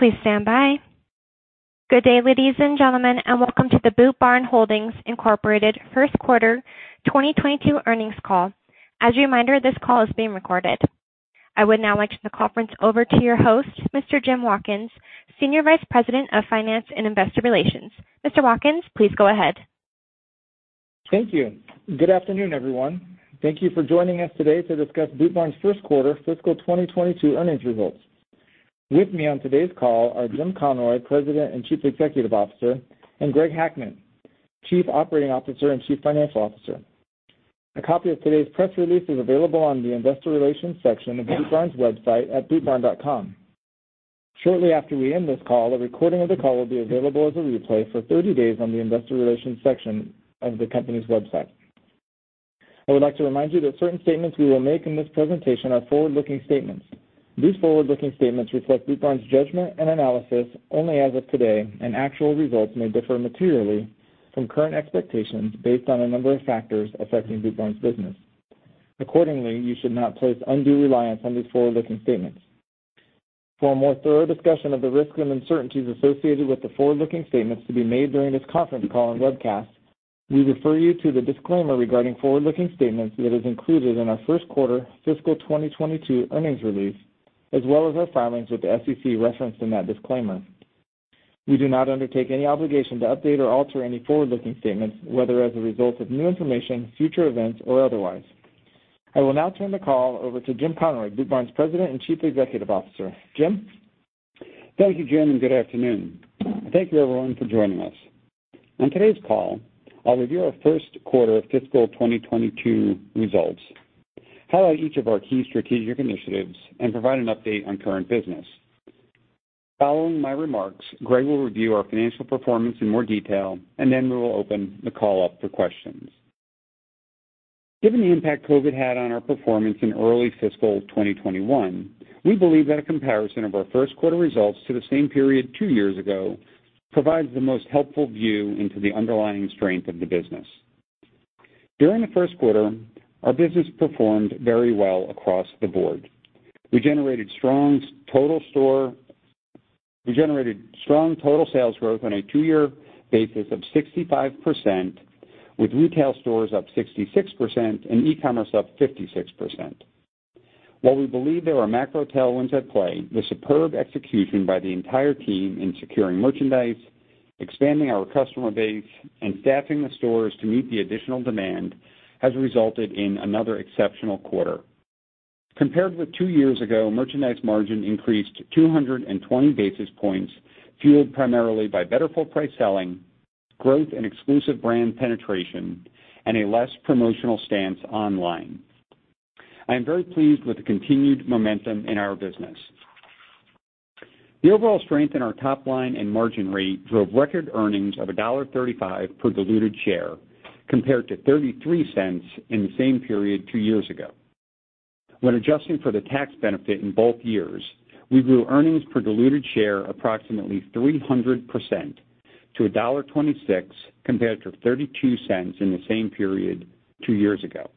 Good day, ladies and gentlemen, and welcome to the Boot Barn Holdings, Inc. First Quarter 2022 Earnings Call. As a reminder, this call is being recorded. I would now like to turn the conference over to your host, Mr. Jim Watkins, Senior Vice President of Finance and Investor Relations. Mr. Watkins, please go ahead. Thank you. Good afternoon, everyone. Thank you for joining us today to discuss Boot Barn's first quarter fiscal 2022 earnings results. With me on today's call are Jim Conroy, President and Chief Executive Officer, and Greg Hackman, Chief Operating Officer and Chief Financial Officer. A copy of today's press release is available on the investor relations section of Boot Barn's website at bootbarn.com. Shortly after we end this call, a recording of the call will be available as a replay for 30 days on the investor relations section of the company's website. I would like to remind you that certain statements we will make in this presentation are forward-looking statements. These forward-looking statements reflect Boot Barn's judgment and analysis only as of today. Actual results may differ materially from current expectations based on a number of factors affecting Boot Barn's business. Accordingly, you should not place undue reliance on these forward-looking statements. For a more thorough discussion of the risks and uncertainties associated with the forward-looking statements to be made during this conference call and webcast, we refer you to the disclaimer regarding forward-looking statements that is included in our first quarter fiscal 2022 earnings release, as well as our filings with the SEC referenced in that disclaimer. We do not undertake any obligation to update or alter any forward-looking statements, whether as a result of new information, future events, or otherwise. I will now turn the call over to Jim Conroy, Boot Barn's President and Chief Executive Officer. Jim? Thank you, Jim, and good afternoon. Thank you, everyone, for joining us. On today's call, I'll review our first quarter fiscal 2022 results, highlight each of our key strategic initiatives, and provide an update on current business. Following my remarks, Greg will review our financial performance in more detail, and then we will open the call up for questions. Given the impact COVID had on our performance in early fiscal 2021, we believe that a comparison of our first quarter results to the same period two years ago provides the most helpful view into the underlying strength of the business. During the first quarter, our business performed very well across the board. We generated strong total sales growth on a two-year basis of 65%, with retail stores up 66% and e-commerce up 56%. While we believe there are macro tailwinds at play, the superb execution by the entire team in securing merchandise, expanding our customer base, and staffing the stores to meet the additional demand has resulted in another exceptional quarter. Compared with two years ago, merchandise margin increased 220 basis points, fueled primarily by better full price selling, growth and exclusive brand penetration, and a less promotional stance online. I am very pleased with the continued momentum in our business. The overall strength in our top line and margin rate drove record earnings of $1.35 per diluted share, compared to $0.33 in the same period two years ago. When adjusting for the tax benefit in both years, we grew earnings per diluted share approximately 300% to $1.26, compared to $0.32 in the same period two years ago.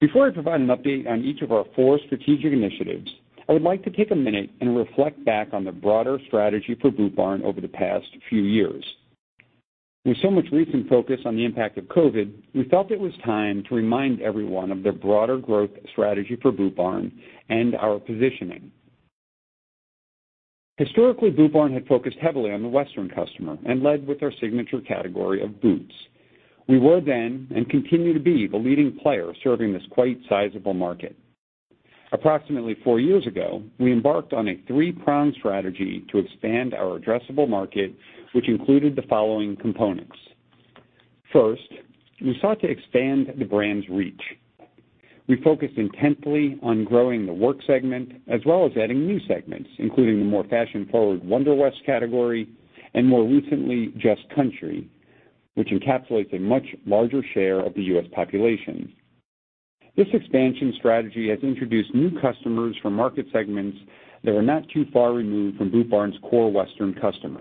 Before I provide an update on each of our four strategic initiatives, I would like to take a minute and reflect back on the broader strategy for Boot Barn over the past few years. With so much recent focus on the impact of COVID, we felt it was time to remind everyone of the broader growth strategy for Boot Barn and our positioning. Historically, Boot Barn had focused heavily on the western customer and led with our signature category of boots. We were then and continue to be the leading player serving this quite sizable market. Approximately four years ago, we embarked on a three-pronged strategy to expand our addressable market, which included the following components. First, we sought to expand the brand's reach. We focused intently on growing the work segment, as well as adding new segments, including the more fashion-forward Wonderwest category, and more recently, Just Country, which encapsulates a much larger share of the U.S. population. This expansion strategy has introduced new customers from market segments that are not too far removed from Boot Barn's core Western customer.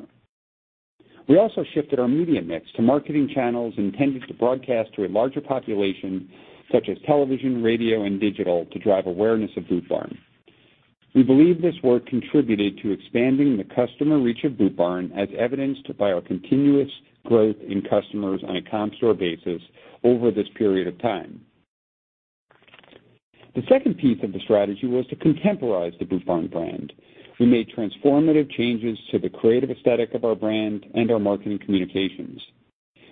We also shifted our media mix to marketing channels intended to broadcast to a larger population, such as television, radio, and digital, to drive awareness of Boot Barn. We believe this work contributed to expanding the customer reach of Boot Barn as evidenced by our continuous growth in customers on a comp store basis over this period of time. The second piece of the strategy was to contemporize the Boot Barn brand. We made transformative changes to the creative aesthetic of our brand and our marketing communications.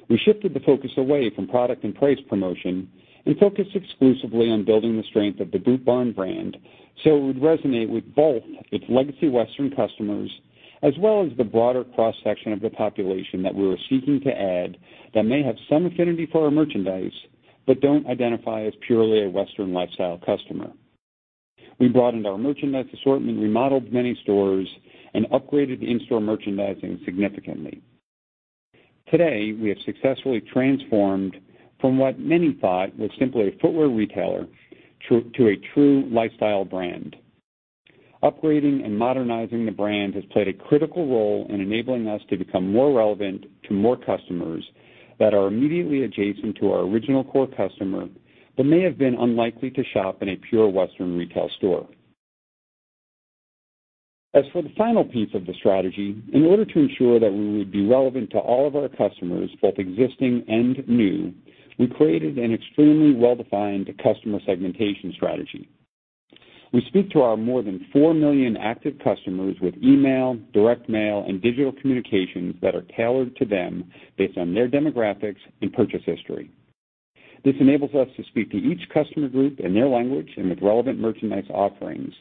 We shifted the focus away from product and price promotion and focused exclusively on building the strength of the Boot Barn brand so it would resonate with both its legacy Western customers as well as the broader cross-section of the population that we were seeking to add that may have some affinity for our merchandise, but don't identify as purely a Western lifestyle customer. We broadened our merchandise assortment, remodeled many stores, and upgraded the in-store merchandising significantly. Today, we have successfully transformed from what many thought was simply a footwear retailer to a true lifestyle brand. Upgrading and modernizing the brand has played a critical role in enabling us to become more relevant to more customers that are immediately adjacent to our original core customer, but may have been unlikely to shop in a pure western retail store. As for the final piece of the strategy, in order to ensure that we would be relevant to all of our customers, both existing and new, we created an extremely well-defined customer segmentation strategy. We speak to our more than 4 million active customers with email, direct mail, and digital communications that are tailored to them based on their demographics and purchase history. This enables us to speak to each customer group in their language and with relevant merchandise offerings.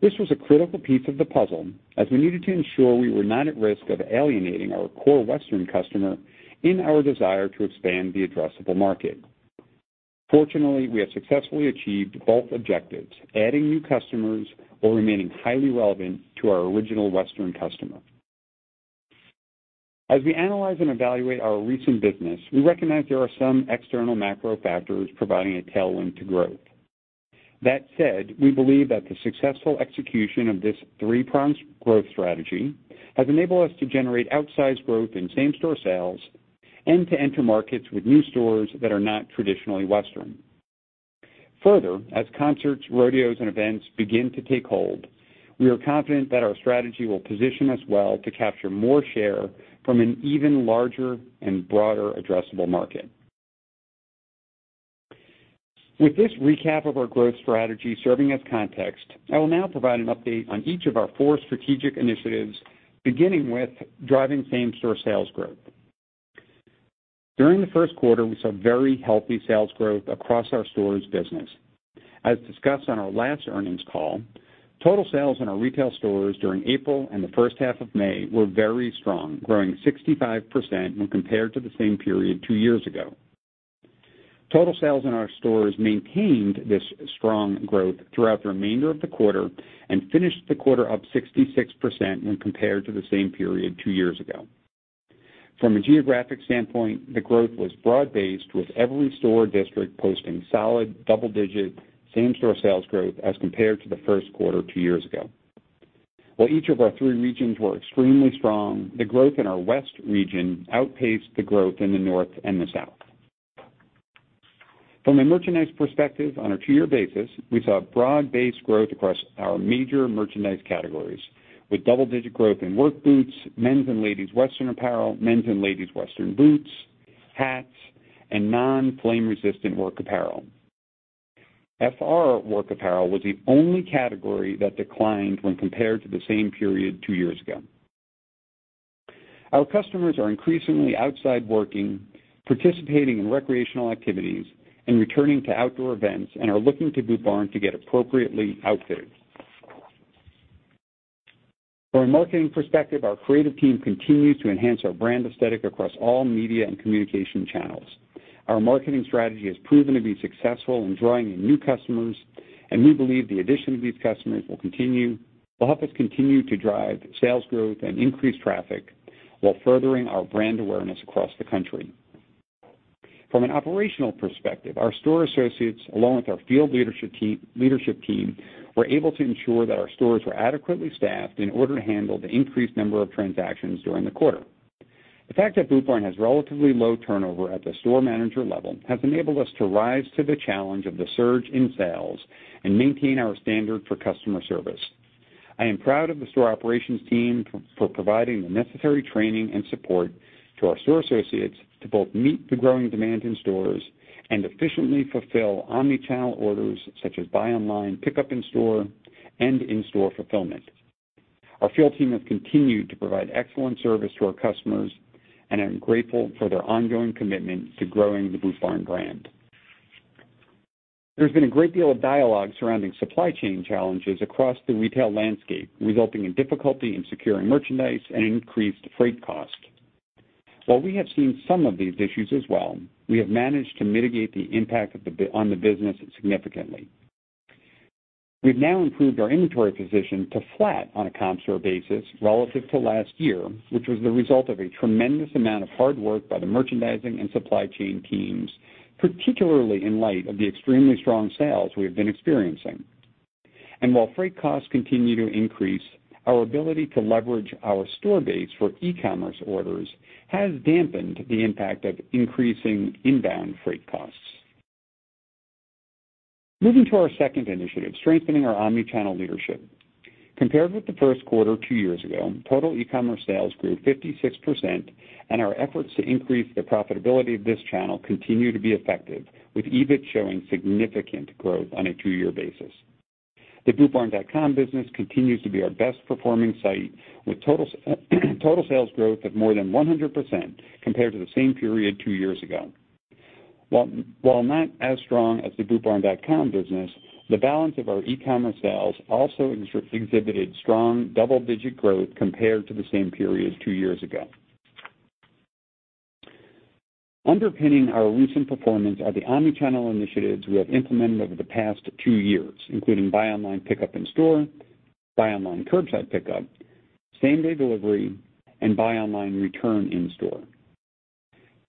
This was a critical piece of the puzzle, as we needed to ensure we were not at risk of alienating our core western customer in our desire to expand the addressable market. Fortunately, we have successfully achieved both objectives, adding new customers while remaining highly relevant to our original western customer. As we analyze and evaluate our recent business, we recognize there are some external macro factors providing a tailwind to growth. That said, we believe that the successful execution of this three-pronged growth strategy has enabled us to generate outsized growth in same-store sales and to enter markets with new stores that are not traditionally western. Further, as concerts, rodeos, and events begin to take hold, we are confident that our strategy will position us well to capture more share from an even larger and broader addressable market. With this recap of our growth strategy serving as context, I will now provide an update on each of our four strategic initiatives, beginning with driving same-store sales growth. During the first quarter, we saw very healthy sales growth across our stores business. As discussed on our last earnings call, total sales in our retail stores during April and the first half of May were very strong, growing 65% when compared to the same period two years ago. Total sales in our stores maintained this strong growth throughout the remainder of the quarter and finished the quarter up 66% when compared to the same period two years ago. From a geographic standpoint, the growth was broad-based, with every store district posting solid double-digit same-store sales growth as compared to the first quarter two years ago. While each of our three regions were extremely strong, the growth in our west region outpaced the growth in the north and the south. From a merchandise perspective on a two-year basis, we saw broad-based growth across our major merchandise categories, with double-digit growth in work boots, men's and ladies' western apparel, men's and ladies' western boots, hats, and non-flame resistant work apparel. FR work apparel was the only category that declined when compared to the same period two years ago. Our customers are increasingly outside working, participating in recreational activities, and returning to outdoor events, and are looking to Boot Barn to get appropriately outfitted. From a marketing perspective, our creative team continues to enhance our brand aesthetic across all media and communication channels. Our marketing strategy has proven to be successful in drawing in new customers, and we believe the addition of these customers will help us continue to drive sales growth and increase traffic while furthering our brand awareness across the country. From an operational perspective, our store associates, along with our field leadership team, were able to ensure that our stores were adequately staffed in order to handle the increased number of transactions during the quarter. The fact that Boot Barn has relatively low turnover at the store manager level has enabled us to rise to the challenge of the surge in sales and maintain our standard for customer service. I'm proud of the store operations team for providing the necessary training and support to our store associates to both meet the growing demand in stores and efficiently fulfill omnichannel orders, such as buy online, pickup in store, and in-store fulfillment. Our field team have continued to provide excellent service to our customers, and I'm grateful for their ongoing commitment to growing the Boot Barn brand. There's been a great deal of dialogue surrounding supply chain challenges across the retail landscape, resulting in difficulty in securing merchandise and increased freight cost. While we have seen some of these issues as well, we have managed to mitigate the impact on the business significantly. We've now improved our inventory position to flat on a comp store basis relative to last year, which was the result of a tremendous amount of hard work by the merchandising and supply chain teams, particularly in light of the extremely strong sales we have been experiencing. While freight costs continue to increase, our ability to leverage our store base for e-commerce orders has dampened the impact of increasing inbound freight costs. Moving to our second initiative, strengthening our omnichannel leadership. Compared with the first quarter two years ago, total e-commerce sales grew 56%, our efforts to increase the profitability of this channel continue to be effective, with EBIT showing significant growth on a two-year basis. The bootbarn.com business continues to be our best performing site, with total sales growth of more than 100% compared to the same period two years ago. While not as strong as the bootbarn.com business, the balance of our e-commerce sales also exhibited strong double-digit growth compared to the same period two years ago. Underpinning our recent performance are the omnichannel initiatives we have implemented over the past two years, including buy online, pickup in store, buy online, curbside pickup, same-day delivery, and Buy Online, Return In-Store.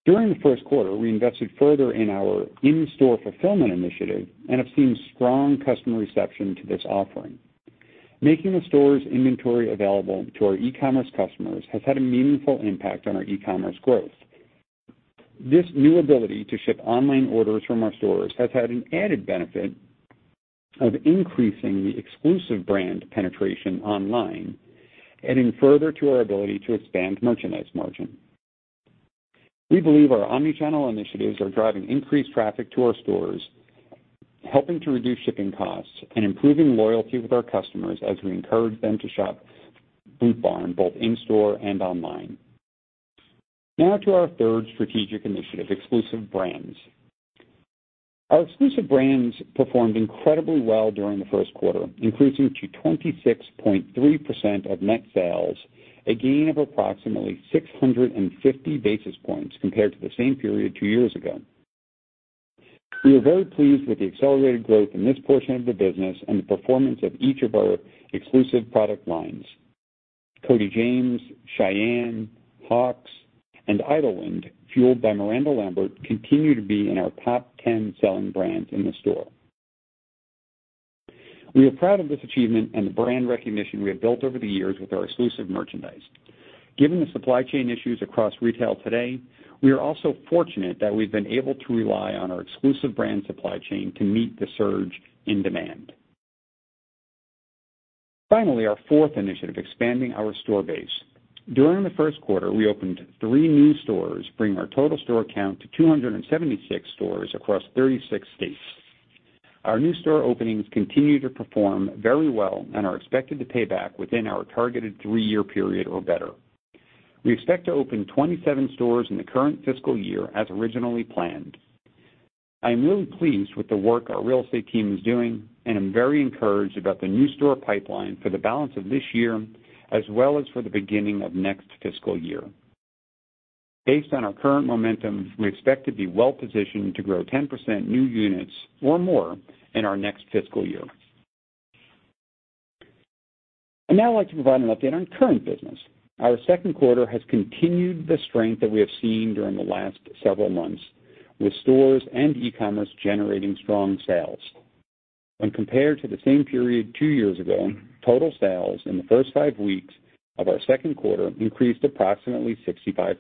During the first quarter, we invested further in our in-store fulfillment initiative and have seen strong customer reception to this offering. Making the store's inventory available to our e-commerce customers has had a meaningful impact on our e-commerce growth. This new ability to ship online orders from our stores has had an added benefit of increasing the exclusive brand penetration online, adding further to our ability to expand merchandise margin. We believe our omni-channel initiatives are driving increased traffic to our stores, helping to reduce shipping costs and improving loyalty with our customers as we encourage them to shop Boot Barn, both in-store and online. Now to our third strategic initiative, exclusive brands. Our exclusive brands performed incredibly well during the first quarter, increasing to 26.3% of net sales, a gain of approximately 650 basis points compared to the same period 2 years ago. We are very pleased with the accelerated growth in this portion of the business and the performance of each of our exclusive product lines. Cody James, Shyanne, Hawx, and Idyllwind Fueled by Miranda Lambert, continue to be in our top 10 selling brands in the store. We are proud of this achievement and the brand recognition we have built over the years with our exclusive merchandise. Given the supply chain issues across retail today, we are also fortunate that we've been able to rely on our exclusive brand supply chain to meet the surge in demand. Finally, our fourth initiative, expanding our store base. During the first quarter, we opened three new stores, bringing our total store count to 276 stores across 36 states. Our new store openings continue to perform very well and are expected to pay back within our targeted three-year period or better. We expect to open 27 stores in the current fiscal year as originally planned. I am really pleased with the work our real estate team is doing, and I'm very encouraged about the new store pipeline for the balance of this year, as well as for the beginning of next fiscal year. Based on our current momentum, we expect to be well-positioned to grow 10% new units or more in our next fiscal year. I'd now like to provide an update on current business. Our second quarter has continued the strength that we have seen during the last several months, with stores and e-commerce generating strong sales. When compared to the same period two years ago, total sales in the first five weeks of our second quarter increased approximately 65%.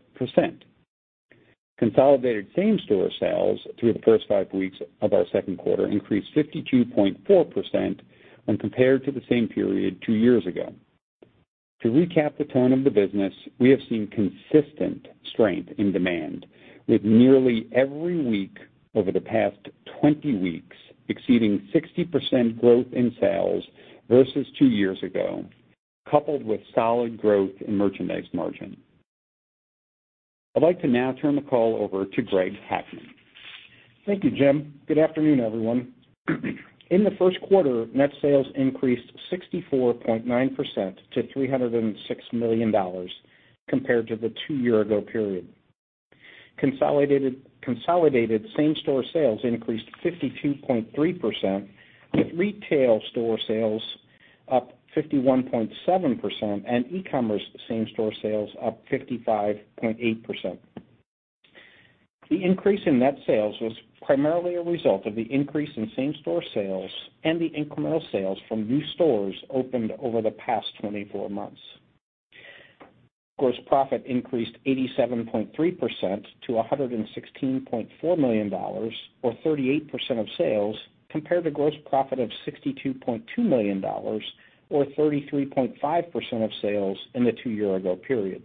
Consolidated same-store sales through the first 5 weeks of our second quarter increased 52.4% when compared to the same period two years ago. To recap the tone of the business, we have seen consistent strength in demand with nearly every week over the past 20 weeks exceeding 60% growth in sales versus two years ago, coupled with solid growth in merchandise margin. I'd like to now turn the call over to Greg Hackman. Thank you, Jim. Good afternoon, everyone. In the first quarter, net sales increased 64.9% to $306 million compared to the two year ago period. Consolidated same-store sales increased 52.3%, with retail store sales up 51.7% and e-commerce same-store sales up 55.8%. The increase in net sales was primarily a result of the increase in same-store sales and the incremental sales from new stores opened over the past 24 months. Gross profit increased 87.3% to $116.4 million or 38% of sales, compared to gross profit of $62.2 million or 33.5% of sales in the two year ago period.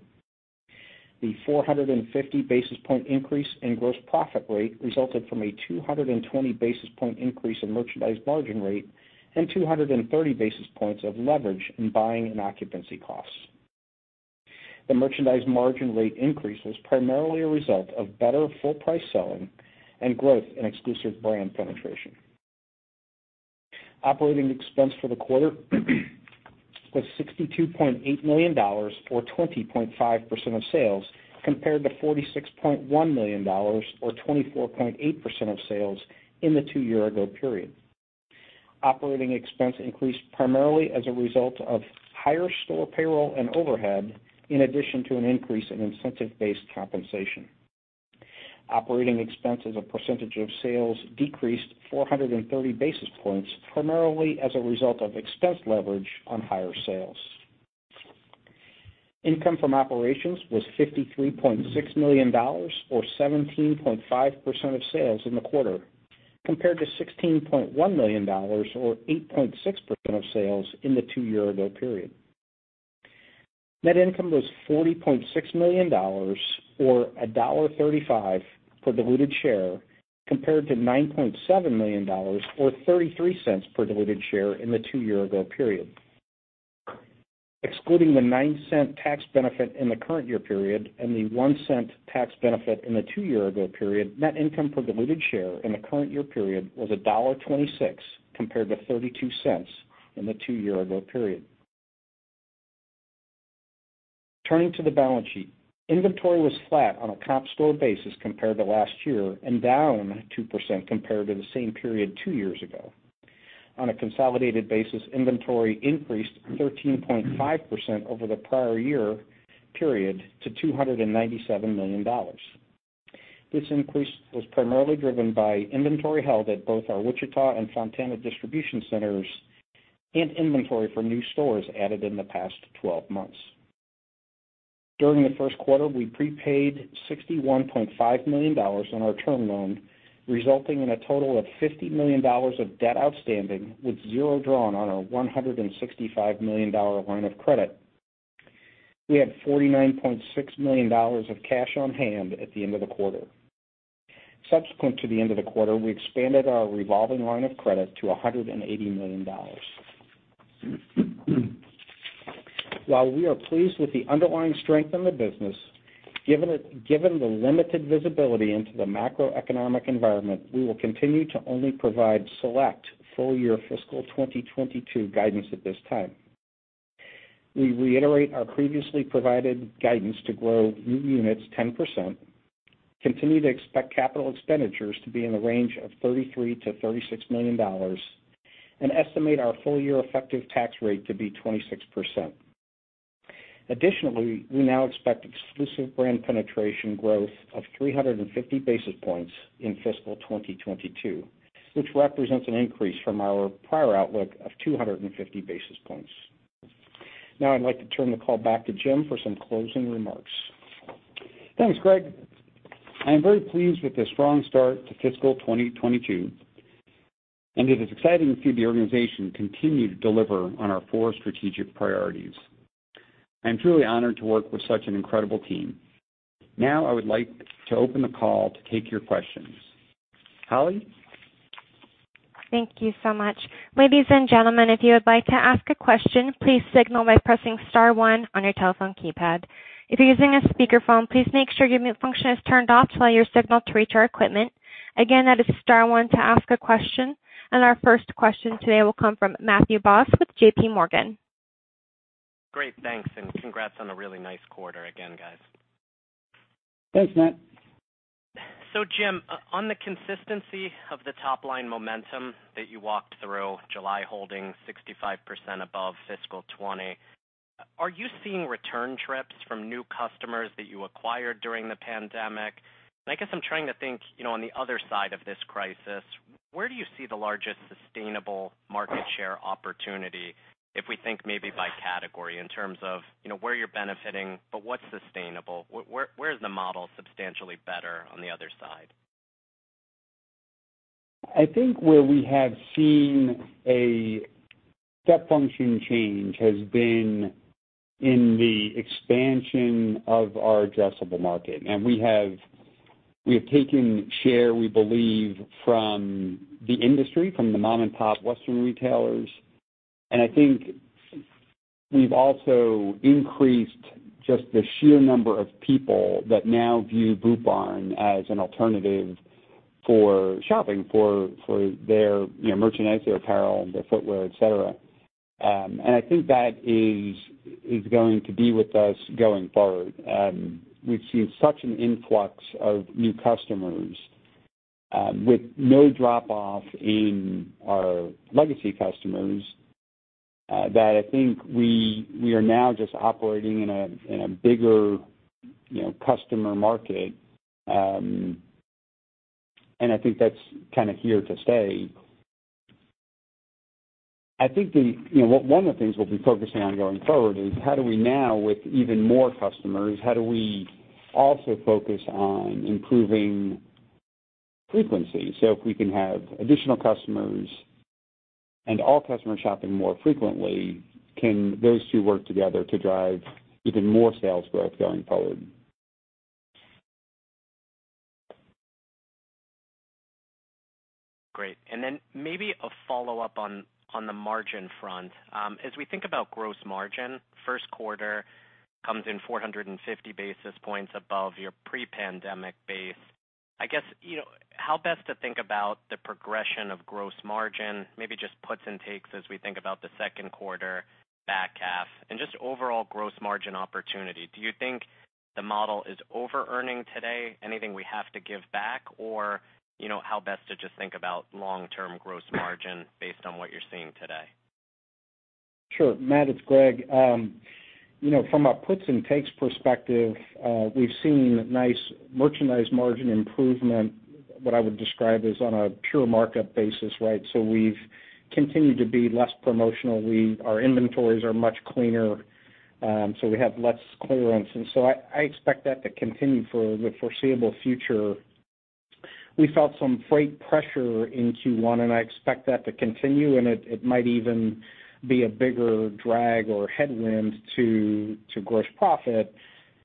The 450 basis point increase in gross profit rate resulted from a 220 basis point increase in merchandise margin rate and 230 basis points of leverage in buying and occupancy costs. The merchandise margin rate increase was primarily a result of better full price selling and growth in exclusive brand penetration. Operating expense for the quarter was $62.8 million or 20.5% of sales, compared to $46.1 million or 24.8% of sales in the two year ago period. Operating expense increased primarily as a result of higher store payroll and overhead, in addition to an increase in incentive-based compensation. Operating expense as a percentage of sales decreased 430 basis points, primarily as a result of expense leverage on higher sales. Income from operations was $53.6 million or 17.5% of sales in the quarter, compared to $16.1 million or 8.6% of sales in the two year ago period. Net income was $40.6 million or $1.35 per diluted share, compared to $9.7 million or $0.33 per diluted share in the two year ago period. Excluding the $0.09 tax benefit in the current year period and the $0.01 tax benefit in the two year ago period, net income per diluted share in the current year period was $1.26, compared to $0.32 in the two year ago period. Turning to the balance sheet. Inventory was flat on a comp store basis compared to last year, and down 2% compared to the same period two years ago. On a consolidated basis, inventory increased 13.5% over the prior year period to $297 million. This increase was primarily driven by inventory held at both our Wichita and Fontana distribution centers, and inventory for new stores added in the past 12 months. During the first quarter, we prepaid $61.5 million on our term loan, resulting in a total of $50 million of debt outstanding, with zero drawn on our $165 million line of credit. We had $49.6 million of cash on hand at the end of the quarter. Subsequent to the end of the quarter, we expanded our revolving line of credit to $180 million. While we are pleased with the underlying strength in the business, given the limited visibility into the macroeconomic environment, we will continue to only provide select full-year fiscal 2022 guidance at this time. We reiterate our previously provided guidance to grow new units 10%, continue to expect capital expenditures to be in the range of $33 million-$36 million, and estimate our full-year effective tax rate to be 26%. Additionally, we now expect exclusive brand penetration growth of 350 basis points in fiscal 2022, which represents an increase from our prior outlook of 250 basis points. Now I'd like to turn the call back to Jim for some closing remarks. Thanks, Greg. I am very pleased with the strong start to fiscal 2022, and it is exciting to see the organization continue to deliver on our four strategic priorities. I'm truly honored to work with such an incredible team. Now I would like to open the call to take your questions. Holly? Thank you so much. Ladies and gentlemen, if you would like to ask a question, please signal by pressing star one on your telephone keypad. If you're using a speakerphone, please make sure your mute function is turned off to allow your signal to reach our equipment. Again, that is star one to ask a question. Our 1st question today will come from Matthew Boss with JPMorgan. Great, thanks, and congrats on a really nice quarter again, guys. Thanks, Matt. Jim, on the consistency of the top-line momentum that you walked through, July holding 65% above fiscal 2020, are you seeing return trips from new customers that you acquired during the pandemic? I guess I'm trying to think, on the other side of this crisis, where do you see the largest sustainable market share opportunity if we think maybe by category in terms of where you're benefiting, but what's sustainable? Where is the model substantially better on the other side? I think where we have seen a step function change has been in the expansion of our addressable market. We have taken share, we believe, from the industry, from the mom-and-pop Western retailers. I think we've also increased just the sheer number of people that now view Boot Barn as an alternative for shopping for their merchandise, their apparel, and their footwear, et cetera. I think that is going to be with us going forward. We've seen such an influx of new customers, with no drop-off in our legacy customers, that I think we are now just operating in a bigger customer market. I think that's kind of here to stay. I think one of the things we'll be focusing on going forward is how do we now, with even more customers, how do we also focus on improving frequency? If we can have additional customers and all customers shopping more frequently, can those two work together to drive even more sales growth going forward? Great. Then maybe a follow-up on the margin front. As we think about gross margin, first quarter comes in 450 basis points above your pre-pandemic base. How best to think about the progression of gross margin, maybe just puts and takes as we think about the second quarter, back half, and just overall gross margin opportunity. Do you think the model is over-earning today? Anything we have to give back, or how best to just think about long-term gross margin based on what you're seeing today? Sure. Matt, it's Greg. From a puts and takes perspective, we've seen nice merchandise margin improvement, what I would describe as on a pure markup basis, right? We've continued to be less promotional. Our inventories are much cleaner, so we have less clearance. I expect that to continue for the foreseeable future. We felt some freight pressure in Q1, and I expect that to continue, and it might even be a bigger drag or headwind to gross profit.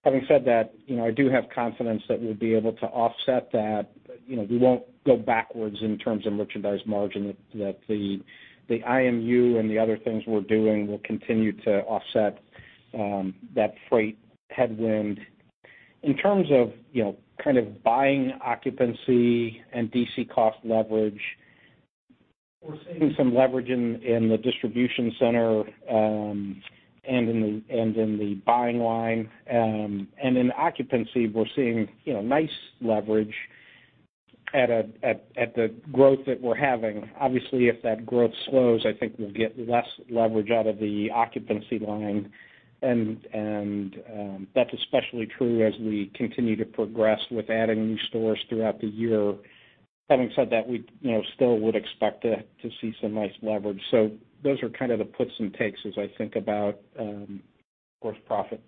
Having said that, I do have confidence that we'll be able to offset that. We won't go backwards in terms of merchandise margin, that the IMU and the other things we're doing will continue to offset that freight headwind. In terms of buying occupancy and DC cost leverage, we're seeing some leverage in the distribution center and in the buying line. In occupancy, we're seeing nice leverage at the growth that we're having. Obviously, if that growth slows, I think we'll get less leverage out of the occupancy line. That's especially true as we continue to progress with adding new stores throughout the year. Having said that, we still would expect to see some nice leverage. Those are the puts and takes as I think about gross profit.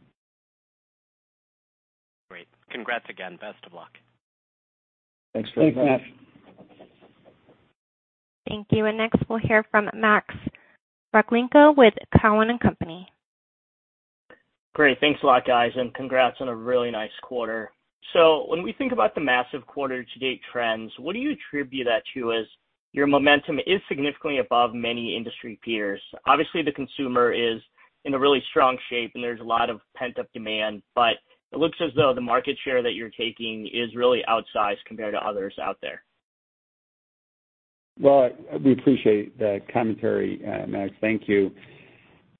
Great. Congrats again. Best of luck. Thanks very much. Thanks, Matt. Thank you. Next we'll hear from Max Rakhlenko with Cowen and Company. Great. Thanks a lot, guys, and congrats on a really nice quarter. When we think about the massive quarter to date trends, what do you attribute that to, as your momentum is significantly above many industry peers? Obviously, the consumer is in a really strong shape and there's a lot of pent-up demand, but it looks as though the market share that you're taking is really outsized compared to others out there. Well, we appreciate the commentary, Max. Thank you.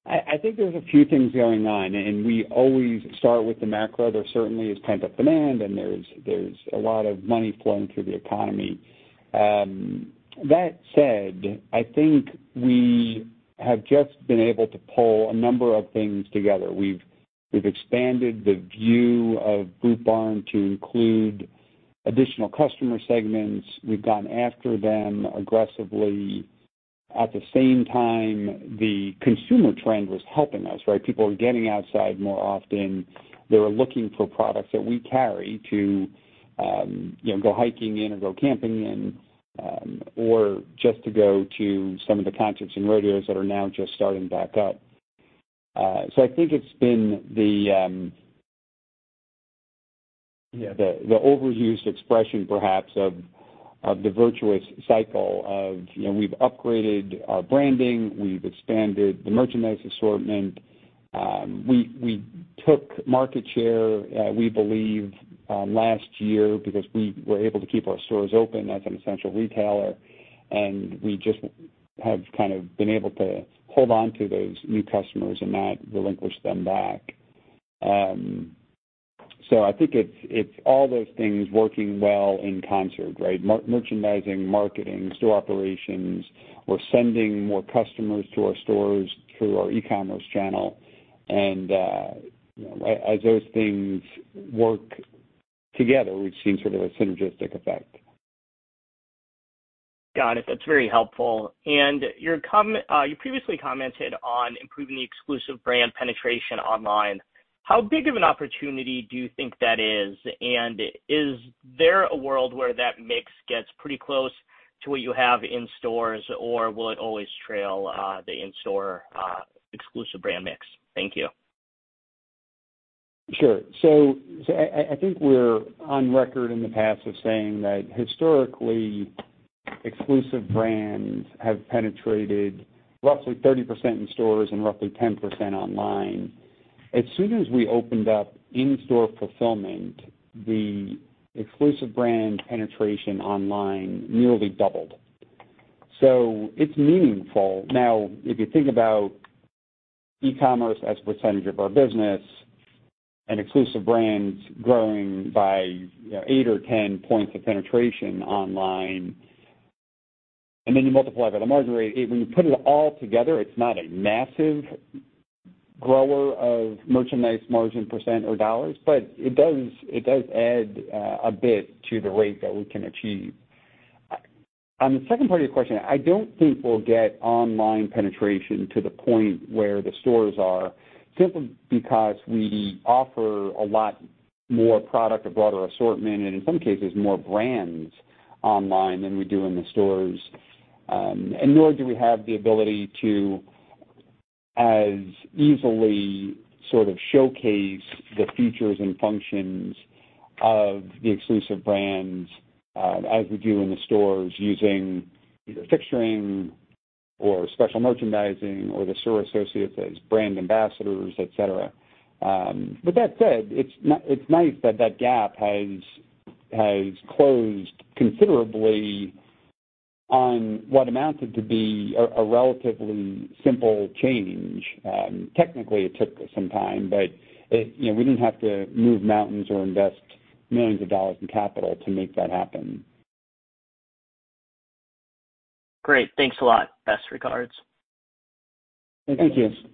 I think there's a few things going on, and we always start with the macro. There certainly is pent-up demand, and there's a lot of money flowing through the economy. That said, I think we have just been able to pull a number of things together. We've expanded the view of Boot Barn to include additional customer segments. We've gone after them aggressively. At the same time, the consumer trend was helping us, right? People were getting outside more often. They were looking for products that we carry to go hiking in or go camping in, or just to go to some of the concerts and rodeos that are now just starting back up. I think it's been the. Yeah The overused expression, perhaps, of the virtuous cycle of we've upgraded our branding, we've expanded the merchandise assortment. We took market share, we believe, last year because we were able to keep our stores open as an essential retailer, and we just have been able to hold onto those new customers and not relinquish them back. I think it's all those things working well in concert, right? Merchandising, marketing, store operations. We're sending more customers to our stores through our e-commerce channel. As those things work together, we've seen sort of a synergistic effect. Got it. That's very helpful. You previously commented on improving the exclusive brand penetration online. How big of an opportunity do you think that is? Is there a world where that mix gets pretty close to what you have in stores, or will it always trail the in-store exclusive brand mix? Thank you. Sure. I think we're on record in the past of saying that historically, exclusive brands have penetrated roughly 30% in stores and roughly 10% online. As soon as we opened up in-store fulfillment, the exclusive brand penetration online nearly doubled. It's meaningful. Now, if you think about e-commerce as a percentage of our business and exclusive brands growing by 8 or 10 points of penetration online, and then you multiply by the margin rate, when you put it all together, it's not a massive grower of merchandise margin percent or dollars, but it does add a bit to the rate that we can achieve. On the second part of your question, I don't think we'll get online penetration to the point where the stores are, simply because we offer a lot more product, a broader assortment, and in some cases, more brands online than we do in the stores. Nor do we have the ability to as easily showcase the features and functions of the exclusive brands as we do in the stores using either fixturing or special merchandising or the store associates as brand ambassadors, et cetera. With that said, it's nice that that gap has closed considerably on what amounted to be a relatively simple change. Technically, it took some time, but we didn't have to move mountains or invest millions of dollars in capital to make that happen. Great. Thanks a lot. Best regards. Thank you. Thank you.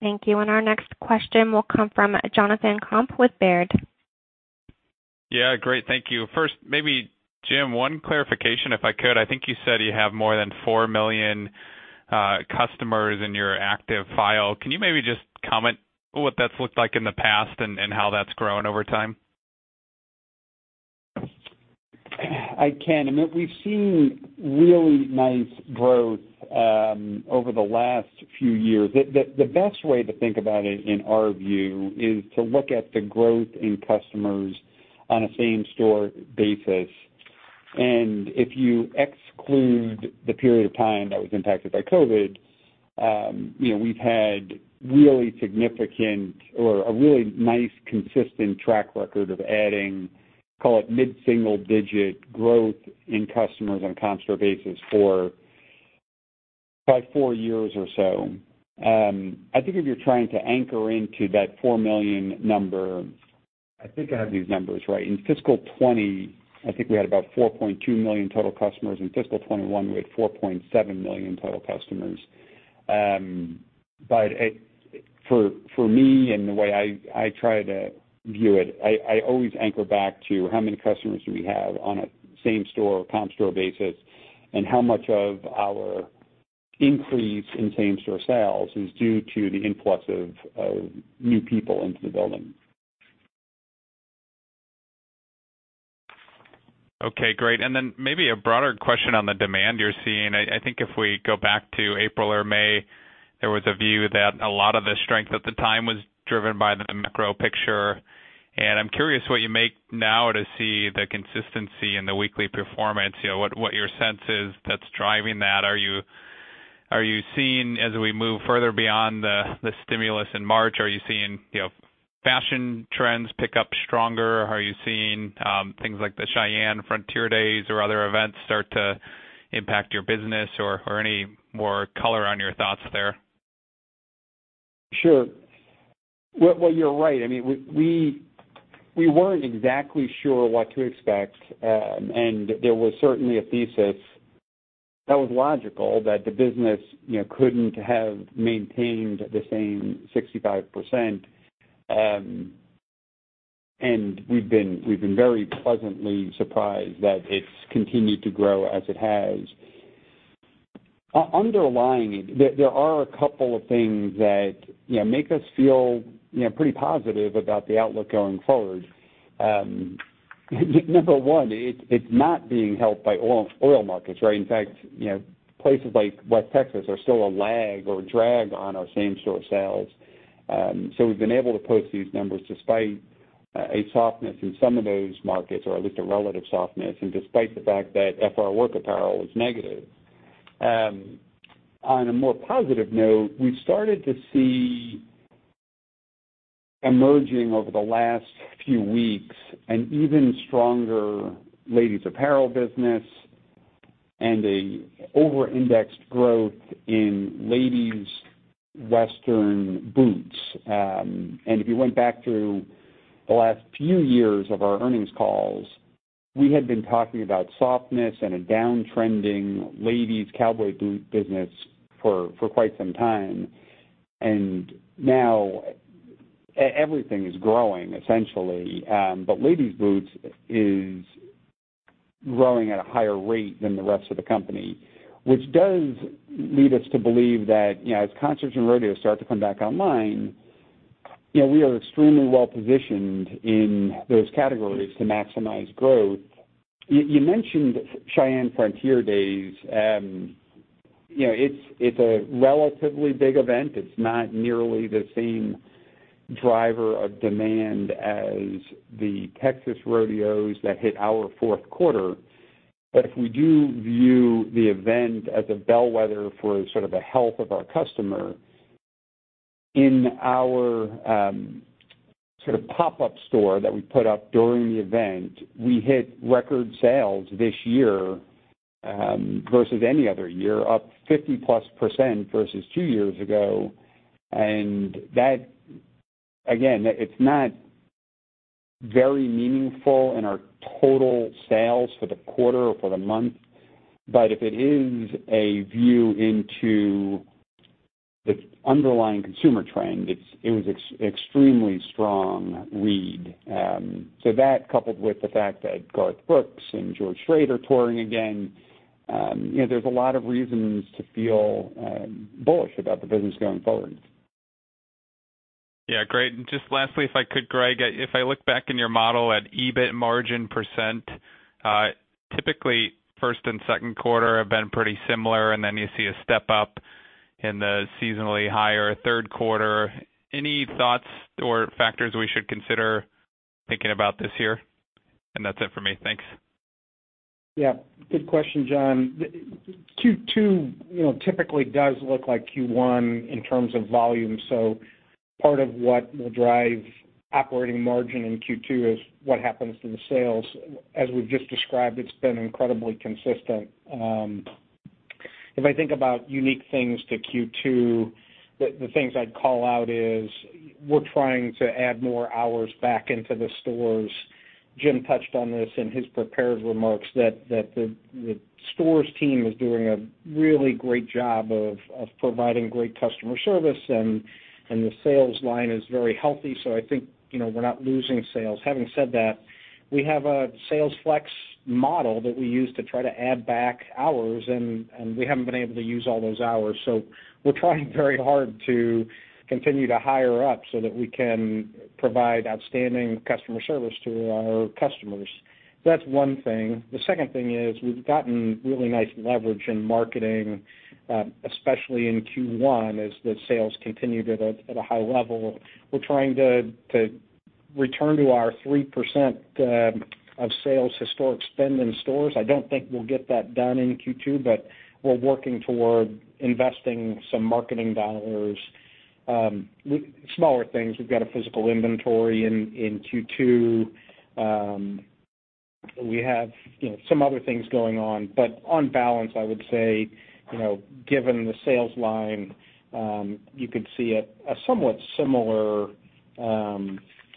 Thank you. Our next question will come from Jonathan Komp with Baird. Yeah, great. Thank you. First, maybe, Jim, one clarification, if I could. I think you said you have more than 4 million customers in your active file. Can you maybe just comment what that's looked like in the past and how that's grown over time? I can. I mean, we've seen really nice growth over the last few years. The best way to think about it, in our view, is to look at the growth in customers on a same store basis. If you exclude the period of time that was impacted by COVID, we've had really significant or a really nice, consistent track record of adding, call it mid-single-digit growth in customers on a comp store basis for four years or so. I think if you're trying to anchor into that 4 million number, I think I have these numbers right. In fiscal 2020, I think we had about 4.2 million total customers. In fiscal 2021, we had 4.7 million total customers. For me and the way I try to view it, I always anchor back to how many customers do we have on a same store or comp store basis, and how much of our increase in same store sales is due to the influx of new people into the building. Okay, great. Maybe a broader question on the demand you're seeing. I think if we go back to April or May, there was a view that a lot of the strength at the time was driven by the macro picture, and I'm curious what you make now to see the consistency in the weekly performance. What your sense is that's driving that? Are you seeing, as we move further beyond the stimulus in March, are you seeing fashion trends pick up stronger? Are you seeing things like the Cheyenne Frontier Days or other events start to impact your business? Any more color on your thoughts there? Sure. Well, you're right. We weren't exactly sure what to expect. There was certainly a thesis that was logical that the business couldn't have maintained the same 65%. We've been very pleasantly surprised that it's continued to grow as it has. Underlying it, there are a couple of things that make us feel pretty positive about the outlook going forward. Number one, it's not being helped by oil markets, right? In fact, places like West Texas are still a lag or a drag on our same store sales. We've been able to post these numbers despite a softness in some of those markets, or at least a relative softness, and despite the fact that FR work apparel was negative. On a more positive note, we've started to see emerging over the last few weeks, an even stronger ladies apparel business and an over-indexed growth in ladies Western boots. If you went back through the last few years of our earnings calls, we had been talking about softness and a downtrending ladies cowboy boot business for quite some time. Now everything is growing, essentially. Ladies boots is growing at a higher rate than the rest of the company, which does lead us to believe that as concerts and rodeos start to come back online, we are extremely well positioned in those categories to maximize growth. You mentioned Cheyenne Frontier Days. It's a relatively big event. It's not nearly the same driver of demand as the Texas rodeos that hit our fourth quarter. If we do view the event as a bellwether for sort of the health of our customer, in our sort of pop-up store that we put up during the event, we hit record sales this year, versus any other year, up +50% versus two years ago. That, again, it's not very meaningful in our total sales for the quarter or for the month. If it is a view into the underlying consumer trend, it was extremely strong read. That, coupled with the fact that Garth Brooks and George Strait are touring again, there's a lot of reasons to feel bullish about the business going forward. Yeah, great. Just lastly, if I could, Greg, if I look back in your model at EBIT margin %, typically first and second quarter have been pretty similar, then you see a step-up in the seasonally higher third quarter. Any thoughts or factors we should consider thinking about this year? That's it for me. Thanks. Good question, John. Q2 typically does look like Q1 in terms of volume, part of what will drive operating margin in Q2 is what happens to the sales. As we've just described, it's been incredibly consistent. If I think about unique things to Q2, the things I'd call out is we're trying to add more hours back into the stores. Jim touched on this in his prepared remarks, that the stores team is doing a really great job of providing great customer service and the sales line is very healthy, I think we're not losing sales. Having said that, we have a sales flex model that we use to try to add back hours, we haven't been able to use all those hours. We're trying very hard to continue to hire up so that we can provide outstanding customer service to our customers. That's one thing. The second thing is we've gotten really nice leverage in marketing, especially in Q1, as the sales continued at a high level. We're trying to return to our 3% of sales historic spend in stores. I don't think we'll get that done in Q2, but we're working toward investing some marketing dollars. Smaller things. We've got a physical inventory in Q2. We have some other things going on, but on balance, I would say, given the sales line, you could see a somewhat similar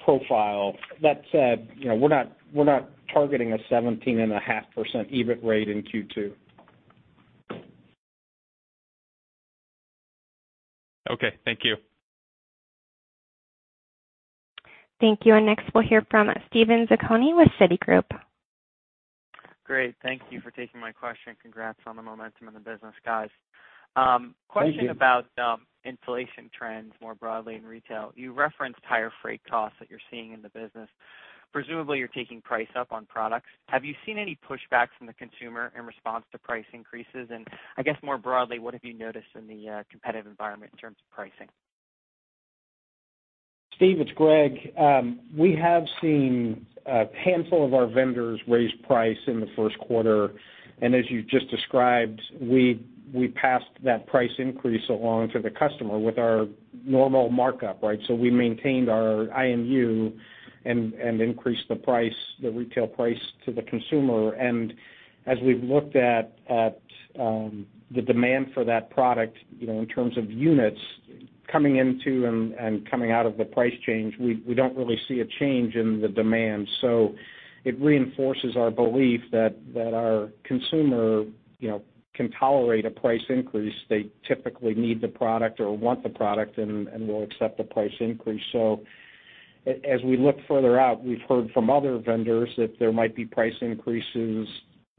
profile. That said, we're not targeting a 17.5% EBIT rate in Q2. Okay, thank you. Thank you. Next, we'll hear from Steven Zaccone with Citigroup. Great. Thank you for taking my question. Congrats on the momentum in the business, guys. Thank you. Question about inflation trends more broadly in retail. You referenced higher freight costs that you're seeing in the business. Presumably, you're taking price up on products. Have you seen any pushback from the consumer in response to price increases? I guess more broadly, what have you noticed in the competitive environment in terms of pricing? Steven, it's Greg. We have seen a handful of our vendors raise price in the first quarter, as you just described, we passed that price increase along to the customer with our normal markup. We maintained our IMU and increased the retail price to the consumer. As we've looked at the demand for that product in terms of units coming into and coming out of the price change, we don't really see a change in the demand. It reinforces our belief that our consumer can tolerate a price increase. They typically need the product or want the product and will accept the price increase. As we look further out, we've heard from other vendors that there might be price increases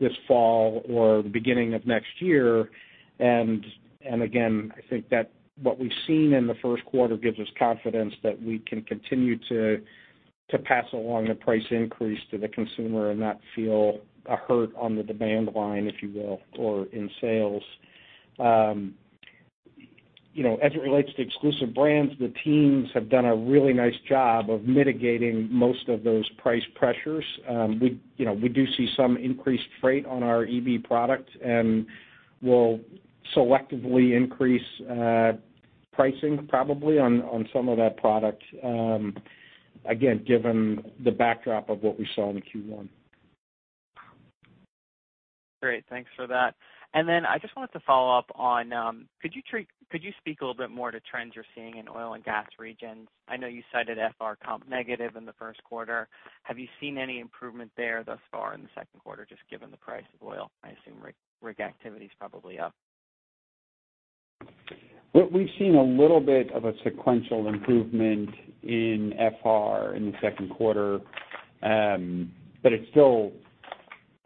this fall or the beginning of next year. I think that what we've seen in the first quarter gives us confidence that we can continue to pass along the price increase to the consumer and not feel a hurt on the demand line if you will, or in sales. As it relates to exclusive brands, the teams have done a really nice job of mitigating most of those price pressures. We do see some increased freight on our EB product, and we'll selectively increase pricing probably on some of that product, given the backdrop of what we saw in the Q1. Great, thanks for that. I just wanted to follow up on, could you speak a little bit more to trends you're seeing in oil and gas regions? I know you cited FR comped negative in the first quarter. Have you seen any improvement there thus far in the second quarter, just given the price of oil? I assume rig activity is probably up. We've seen a little bit of a sequential improvement in FR in the second quarter. It's still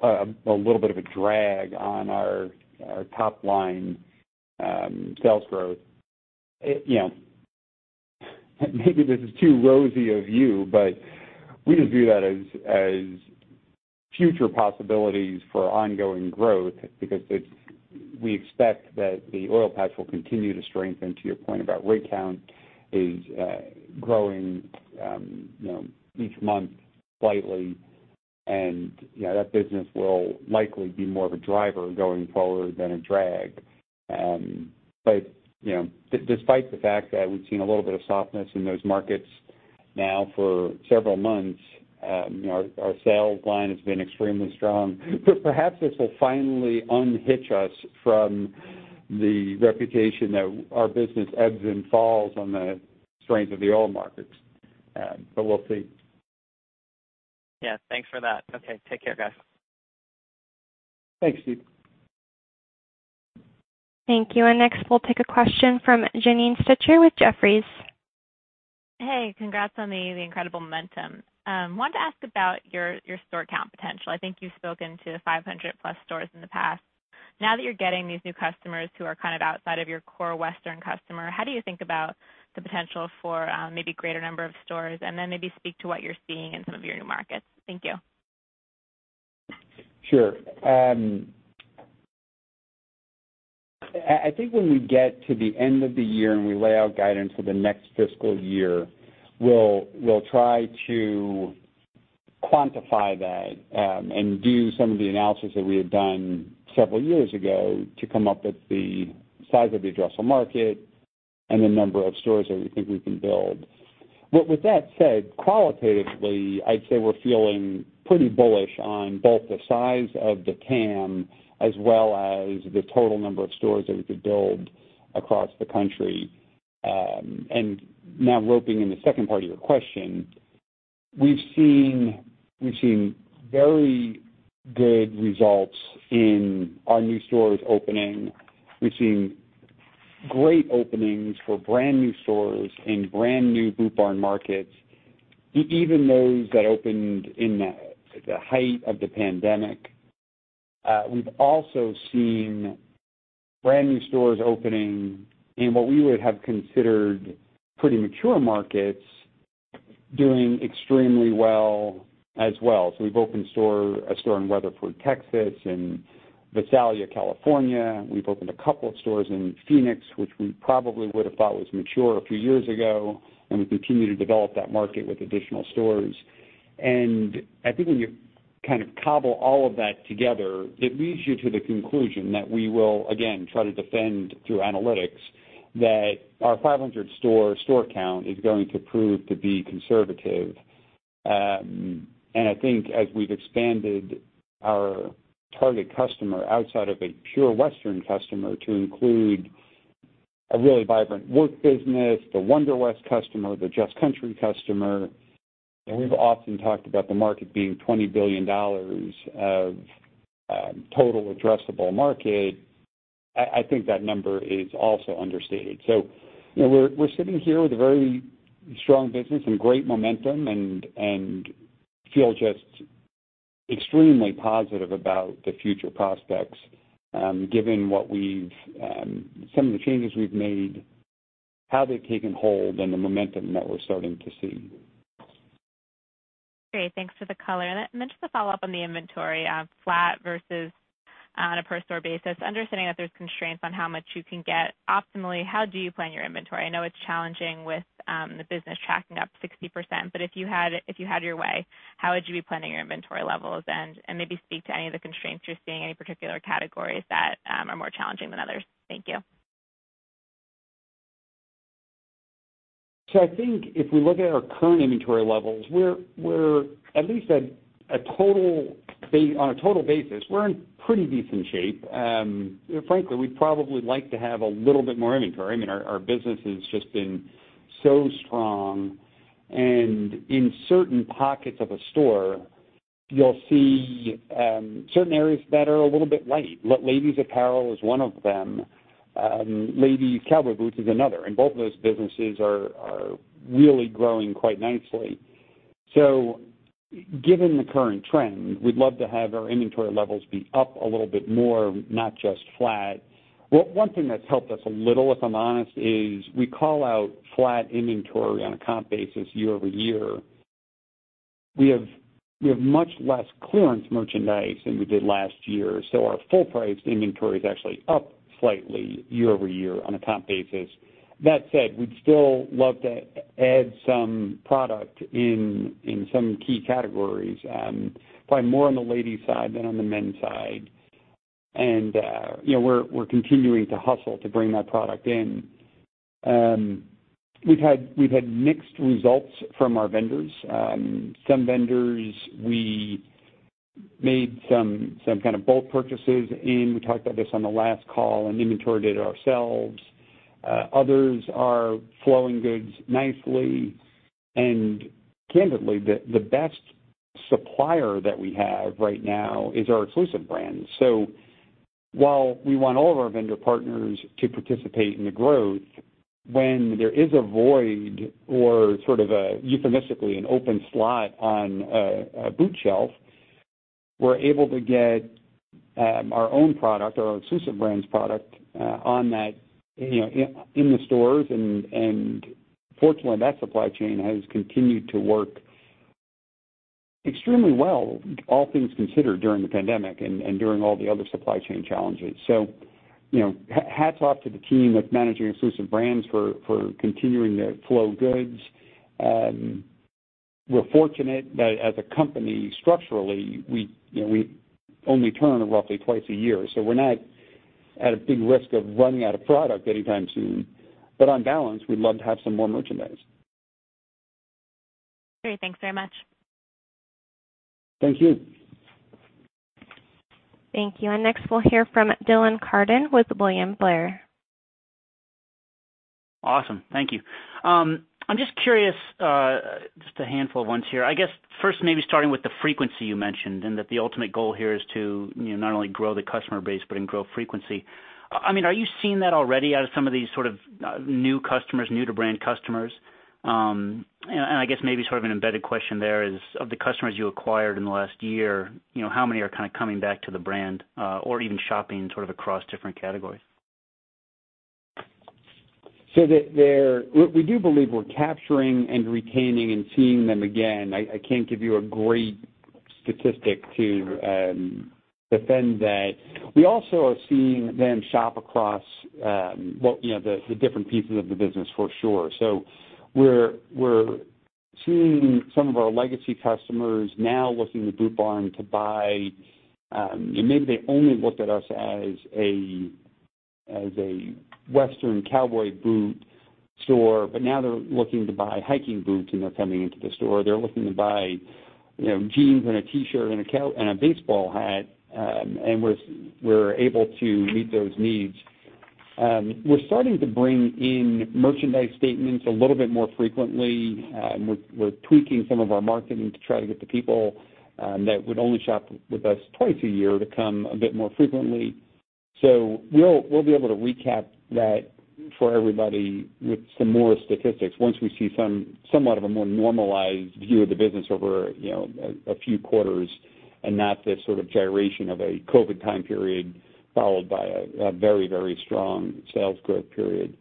a little bit of a drag on our top-line sales growth. Maybe this is too rosy a view, but we just view that as future possibilities for ongoing growth because we expect that the oil patch will continue to strengthen to your point about rig count is growing each month slightly, and that business will likely be more of a driver going forward than a drag. Despite the fact that we've seen a little bit of softness in those markets now for several months, our sales line has been extremely strong. Perhaps this will finally unhitch us from the reputation that our business ebbs and falls on the strength of the oil markets, but we'll see. Yeah, thanks for that. Okay, take care, guys. Thanks, Steve. Thank you. Next, we'll take a question from Janine Stichter with Jefferies. Hey, congrats on the incredible momentum. I wanted to ask about your store count potential. I think you've spoken to 500-plus stores in the past. Now that you're getting these new customers who are kind of outside of your core Western customer, how do you think about the potential for maybe greater number of stores? Then maybe speak to what you're seeing in some of your new markets. Thank you. Sure. I think when we get to the end of the year and we lay out guidance for the next fiscal year, we'll try to quantify that, and do some of the analysis that we had done several years ago to come up with the size of the addressable market and the number of stores that we think we can build. With that said, qualitatively, I'd say we're feeling pretty bullish on both the size of the TAM as well as the total number of stores that we could build across the country. Now roping in the second part of your question, we've seen very good results in our new stores opening. We've seen great openings for brand-new stores in brand-new Boot Barn markets, even those that opened at the height of the pandemic. We've also seen brand-new stores opening in what we would have considered pretty mature markets, doing extremely well as well. We've opened a store in Weatherford, Texas and Visalia, California. We've opened a couple stores in Phoenix, which we probably would have thought was mature a few years ago, and we continue to develop that market with additional stores. I think when you kind of cobble all of that together, it leads you to the conclusion that we will, again, try to defend through analytics That our 500 store count is going to prove to be conservative. I think as we've expanded our target customer outside of a pure Western customer to include a really vibrant work business, the Wonderwest customer, the Just Country customer. We've often talked about the market being $20 billion of total addressable market. I think that number is also understated. We're sitting here with a very strong business and great momentum and feel just extremely positive about the future prospects, given some of the changes we've made, how they've taken hold, and the momentum that we're starting to see. Great. Thanks for the color. Then just to follow up on the inventory, flat versus on a per store basis, understanding that there's constraints on how much you can get optimally, how do you plan your inventory? I know it's challenging with the business tracking up 60%, but if you had your way, how would you be planning your inventory levels? Maybe speak to any of the constraints you're seeing, any particular categories that are more challenging than others. Thank you. I think if we look at our current inventory levels, on a total basis, we're in pretty decent shape. Frankly, we'd probably like to have a little bit more inventory. Our business has just been so strong, and in certain pockets of a store, you'll see certain areas that are a little bit light. Ladies apparel is one of them. Ladies cowboy boots is another. Both of those businesses are really growing quite nicely. Given the current trend, we'd love to have our inventory levels be up a little bit more, not just flat. One thing that's helped us a little, if I'm honest, is we call out flat inventory on a comp basis year-over-year. We have much less clearance merchandise than we did last year, so our full-priced inventory is actually up slightly year-over-year on a comp basis. That said, we'd still love to add some product in some key categories, probably more on the ladies side than on the men's side. We're continuing to hustle to bring that product in. We've had mixed results from our vendors. Some vendors, we made some kind of bulk purchases in, we talked about this on the last call, and inventoried it ourselves. Others are flowing goods nicely. Candidly, the best supplier that we have right now is our exclusive brands. While we want all of our vendor partners to participate in the growth, when there is a void or sort of euphemistically an open slot on a boot shelf, we're able to get our own product or our exclusive brands product in the stores and fortunately, that supply chain has continued to work extremely well, all things considered, during the pandemic and during all the other supply chain challenges. Hats off to the team that's managing exclusive brands for continuing to flow goods. We're fortunate that as a company, structurally, we only turn roughly twice a year. We're not at a big risk of running out of product anytime soon. On balance, we'd love to have some more merchandise. Great. Thanks very much. Thank you. Thank you. Next we'll hear from Dylan Carden with William Blair. Awesome. Thank you. I'm just curious, just a handful of ones here. I guess first maybe starting with the frequency you mentioned, and that the ultimate goal here is to not only grow the customer base, but grow frequency. Are you seeing that already out of some of these sort of new to brand customers? I guess maybe sort of an embedded question there is, of the customers you acquired in the last year, how many are kind of coming back to the brand, or even shopping sort of across different categories? We do believe we're capturing and retaining and seeing them again. I can't give you a great statistic to defend that. We also are seeing them shop across the different pieces of the business for sure. We're seeing some of our legacy customers now looking to Boot Barn, maybe they only looked at us as a Western cowboy boot store, but now they're looking to buy hiking boots and they're coming into the store. They're looking to buy jeans and a T-shirt and a baseball hat, and we're able to meet those needs. We're starting to bring in merchandise statements a little bit more frequently. We're tweaking some of our marketing to try to get the people that would only shop with us twice a year to come a bit more frequently. We'll be able to recap that for everybody with some more statistics once we see somewhat of a more normalized view of the business over a few quarters and not the sort of gyration of a COVID time period followed by a very, very strong sales growth period.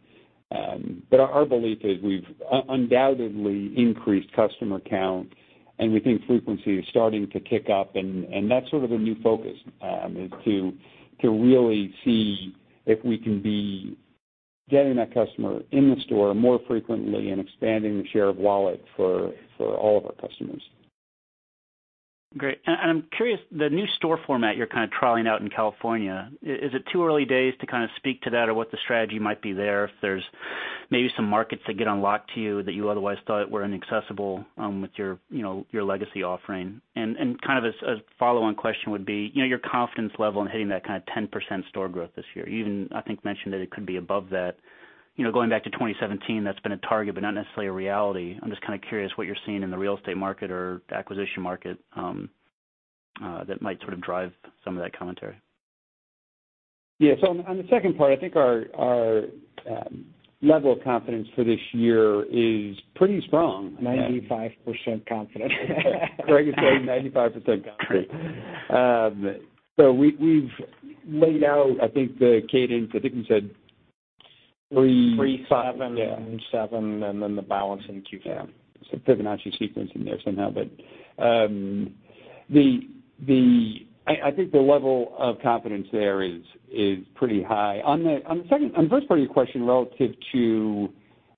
Our belief is we've undoubtedly increased customer count, and we think frequency is starting to kick up, and that's sort of a new focus, is to really see if we can be getting that customer in the store more frequently and expanding the share of wallet for all of our customers. Great. I'm curious, the new store format you're kind of trialing out in California, is it too early days to kind of speak to that or what the strategy might be there, if there's maybe some markets that get unlocked to you that you otherwise thought were inaccessible with your legacy offering? Kind of a follow-on question would be your confidence level in hitting that kind of 10% store growth this year. You even, I think, mentioned that it could be above that. Going back to 2017, that's been a target, but not necessarily a reality. I'm just kind of curious what you're seeing in the real estate market or the acquisition market that might sort of drive some of that commentary. Yeah. On the second part, I think our level of confidence for this year is pretty strong. 95% confident. Greg is saying 95% confident. We've laid out, I think the cadence, I think we said three. three, five, and then seven, and then the balance in Q4. Yeah. There's a Fibonacci sequence in there somehow. I think the level of confidence there is pretty high. On the first part of your question, relative to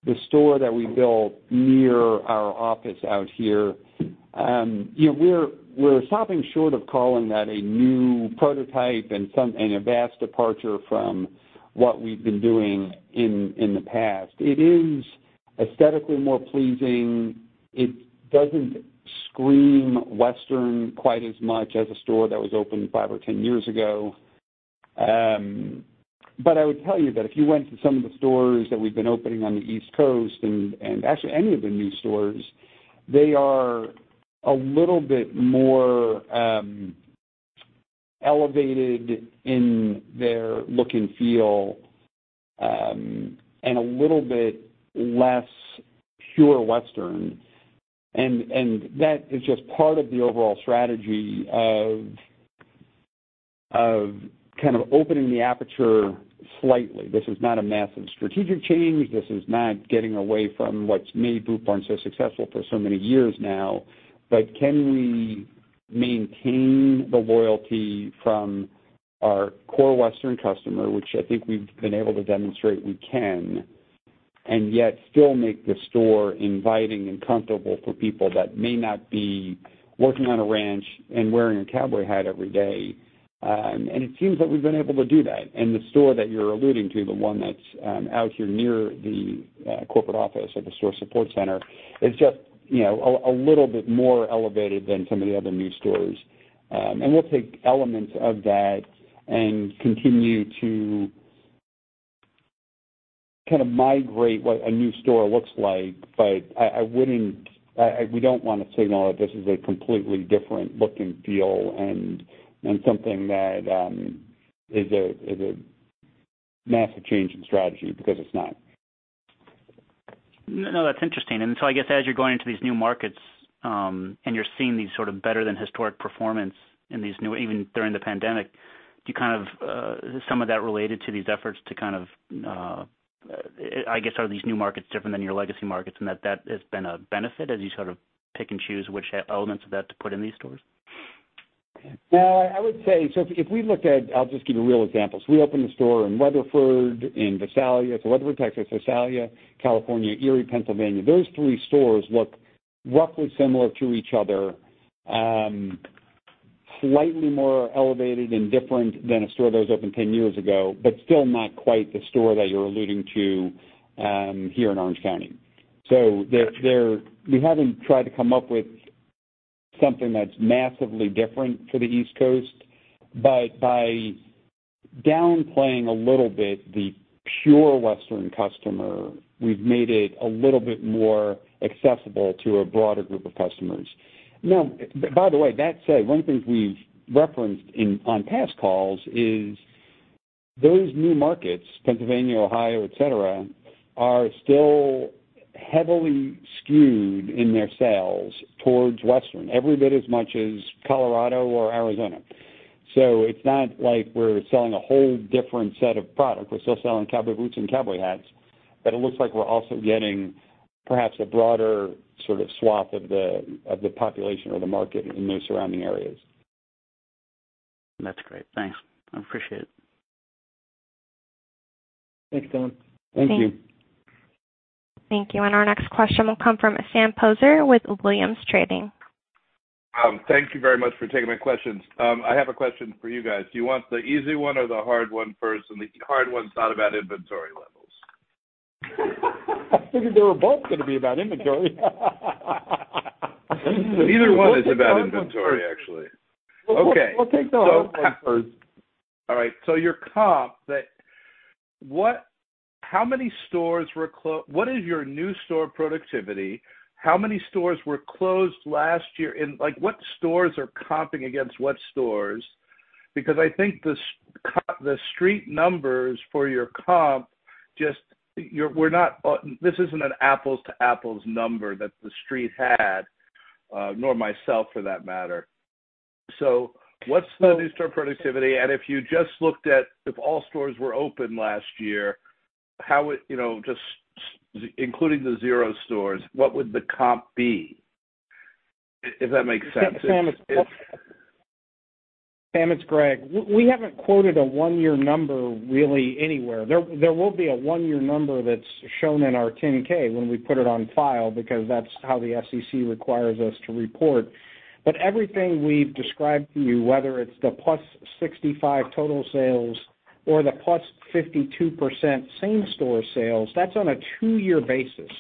the store that we built near our office out here, we're stopping short of calling that a new prototype and a vast departure from what we've been doing in the past. It is aesthetically more pleasing. It doesn't scream Western quite as much as a store that was opened five or 10 years ago. I would tell you that if you went to some of the stores that we've been opening on the East Coast and actually any of the new stores, they are a little bit more elevated in their look and feel, and a little bit less pure Western. That is just part of the overall strategy of kind of opening the aperture slightly. This is not a massive strategic change. This is not getting away from what's made Boot Barn so successful for so many years now. Can we maintain the loyalty from our core Western customer, which I think we've been able to demonstrate we can, and yet still make the store inviting and comfortable for people that may not be working on a ranch and wearing a cowboy hat every day. It seems that we've been able to do that. The store that you're alluding to, the one that's out here near the corporate office or the store support center, is just a little bit more elevated than some of the other new stores. We'll take elements of that and continue to kind of migrate what a new store looks like, but we don't want to signal that this is a completely different look and feel and something that is a massive change in strategy, because it's not. No, that's interesting. I guess as you're going into these new markets, and you're seeing these sort of better than historic performance, even during the pandemic, is some of that related to these efforts, I guess, are these new markets different than your legacy markets and that that has been a benefit as you sort of pick and choose which elements of that to put in these stores? Well, I would say, if we looked at I'll just give you real examples. We opened a store in Weatherford, in Visalia. Weatherford, Texas, Visalia, California, Erie, Pennsylvania. Those three stores look roughly similar to each other. Slightly more elevated and different than a store that was opened 10 years ago, but still not quite the store that you're alluding to here in Orange County. We haven't tried to come up with something that's massively different for the East Coast. By downplaying a little bit the pure Western customer, we've made it a little bit more accessible to a broader group of customers. Now, by the way, that said, one of the things we've referenced on past calls is those new markets, Pennsylvania, Ohio, et cetera, are still heavily skewed in their sales towards Western, every bit as much as Colorado or Arizona. It's not like we're selling a whole different set of product. We're still selling cowboy boots and cowboy hats, but it looks like we're also getting perhaps a broader sort of swath of the population or the market in those surrounding areas. That's great. Thanks. I appreciate it. Thanks, Dylan. Thank you. Thank you. Our next question will come from Sam Poser with Williams Trading. Thank you very much for taking my questions. I have a question for you guys. Do you want the easy one or the hard one first? The hard one's not about inventory levels. I figured they were both going to be about inventory. Neither one is about inventory, actually. Okay. We'll take the hard one first. All right, your comp, what is your new store productivity? How many stores were closed last year? What stores are comping against what stores? I think the street numbers for your comp, this isn't an apples to apples number that the street had, nor myself, for that matter. What's the new store productivity, and if you just looked at if all stores were open last year, just including the 0 stores, what would the comp be? If that makes sense. Sam, it's Greg. We haven't quoted a one-year number really anywhere. There will be a one-year number that's shown in our 10-K when we put it on file, because that's how the SEC requires us to report. Everything we've described to you, whether it's the +65 total sales or the +52% same-store sales, that's on a two-year basis.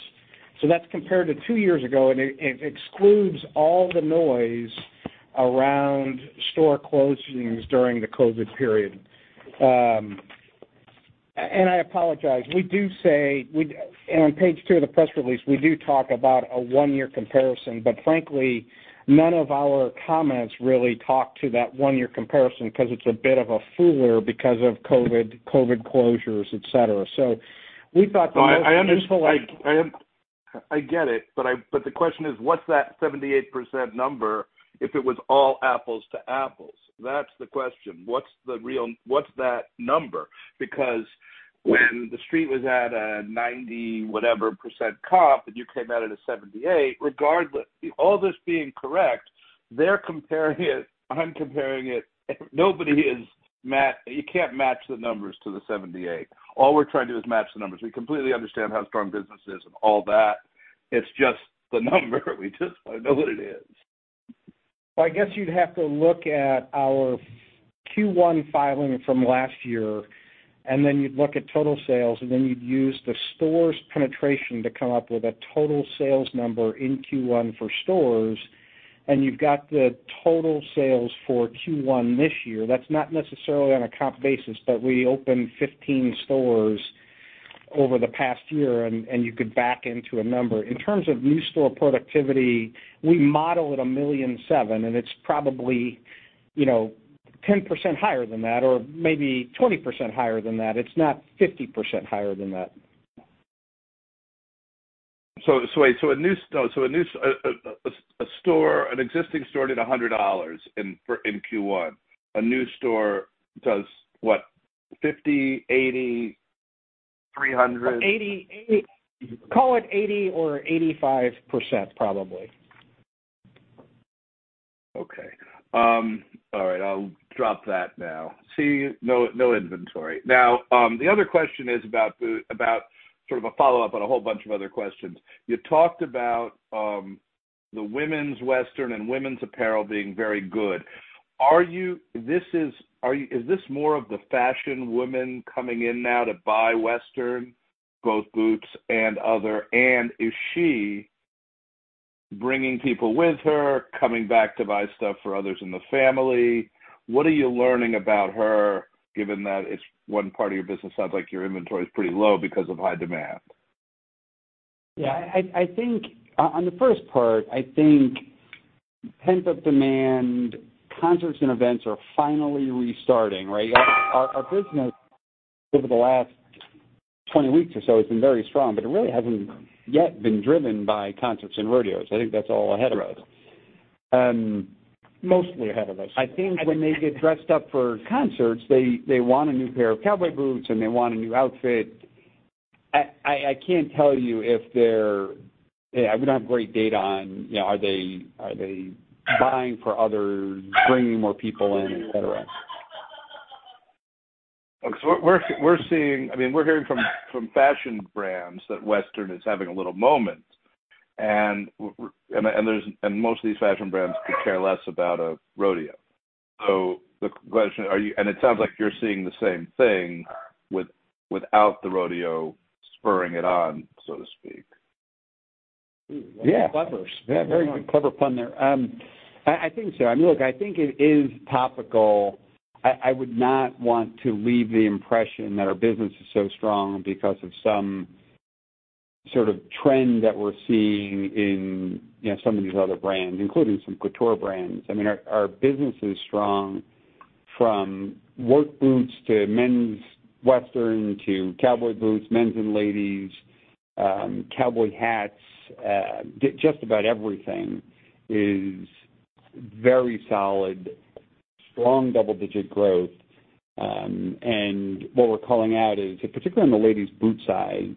That's compared to two years ago, and it excludes all the noise around store closings during the COVID period. I apologize. On page two of the press release, we do talk about a one-year comparison, but frankly, none of our comments really talk to that one-year comparison because it's a bit of a fooler because of COVID closures, et cetera. We thought the most useful- I get it. The question is: what's that 78% number if it was all apples to apples? That's the question. What's that number? When the Street was at a 90 whatever % comp, and you came out at a 78%, regardless, all this being correct, they're comparing it, I'm comparing it. You can't match the numbers to the 78%. All we're trying to do is match the numbers. We completely understand how strong business is and all that. It's just the number. We just want to know what it is. Well, I guess you'd have to look at our Q1 filing from last year, and then you'd look at total sales, and then you'd use the store's penetration to come up with a total sales number in Q1 for stores. You've got the total sales for Q1 this year. That's not necessarily on a comp basis, but we opened 15 stores over the past year, and you could back into a number. In terms of new store productivity, we model at $1.7 million, and it's probably 10% higher than that or maybe 20% higher than that. It's not 50% higher than that. Wait. An existing store did $100 in Q1. A new store does what? $50, $80, $300? Call it 80% or 85%, probably. Okay. All right, I'll drop that now. See, no inventory. Now, the other question is about sort of a follow-up on a whole bunch of other questions. You talked about the women's Western and women's apparel being very good. Is this more of the fashion women coming in now to buy Western, both boots and other, and is she bringing people with her, coming back to buy stuff for others in the family? What are you learning about her, given that it's one part of your business, sounds like your inventory is pretty low because of high demand? Yeah. On the first part, I think pent-up demand, concerts and events are finally restarting, right? Our business over the last 20 weeks or so has been very strong, but it really hasn't yet been driven by concerts and rodeos. I think that's all ahead of us. Mostly ahead of us. I think when they get dressed up for concerts, they want a new pair of cowboy boots, and they want a new outfit. We don't have great data on are they buying for others, bringing more people in, et cetera. Okay. We're hearing from fashion brands that Western is having a little moment, and most of these fashion brands could care less about a rodeo. It sounds like you're seeing the same thing without the rodeo spurring it on, so to speak. Yeah. Clever. Yeah. Very clever pun there. I think so. Look, I think it is topical. I would not want to leave the impression that our business is so strong because of some sort of trend that we're seeing in some of these other brands, including some couture brands. Our business is strong from work boots to men's Western to cowboy boots, men's and ladies', cowboy hats. Just about everything is very solid, strong double-digit growth. What we're calling out is, particularly on the ladies' boots side,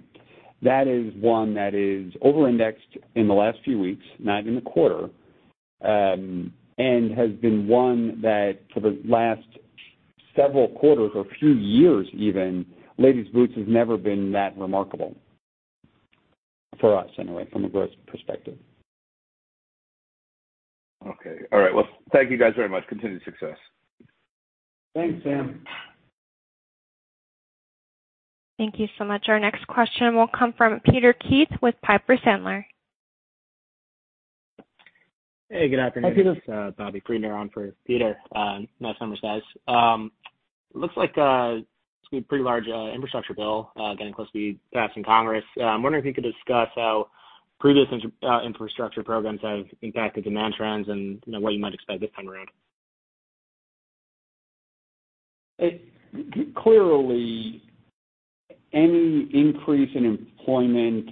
that is one that is over-indexed in the last few weeks, not in the quarter. Has been one that for the last several quarters or few years even, ladies' boots has never been that remarkable. For us anyway, from a growth perspective. Okay. All right. Well, thank you guys very much. Continued success. Thanks, Sam. Thank you so much. Our next question will come from Peter Keith with Piper Sandler. Hey, good afternoon. Hi, Peter. This is Robert Friedner on for Peter. Nice summer skies. Looks like there's a pretty large infrastructure bill getting close to be passed in Congress. I'm wondering if you could discuss how previous infrastructure programs have impacted demand trends and what you might expect this time around. Clearly, any increase in employment,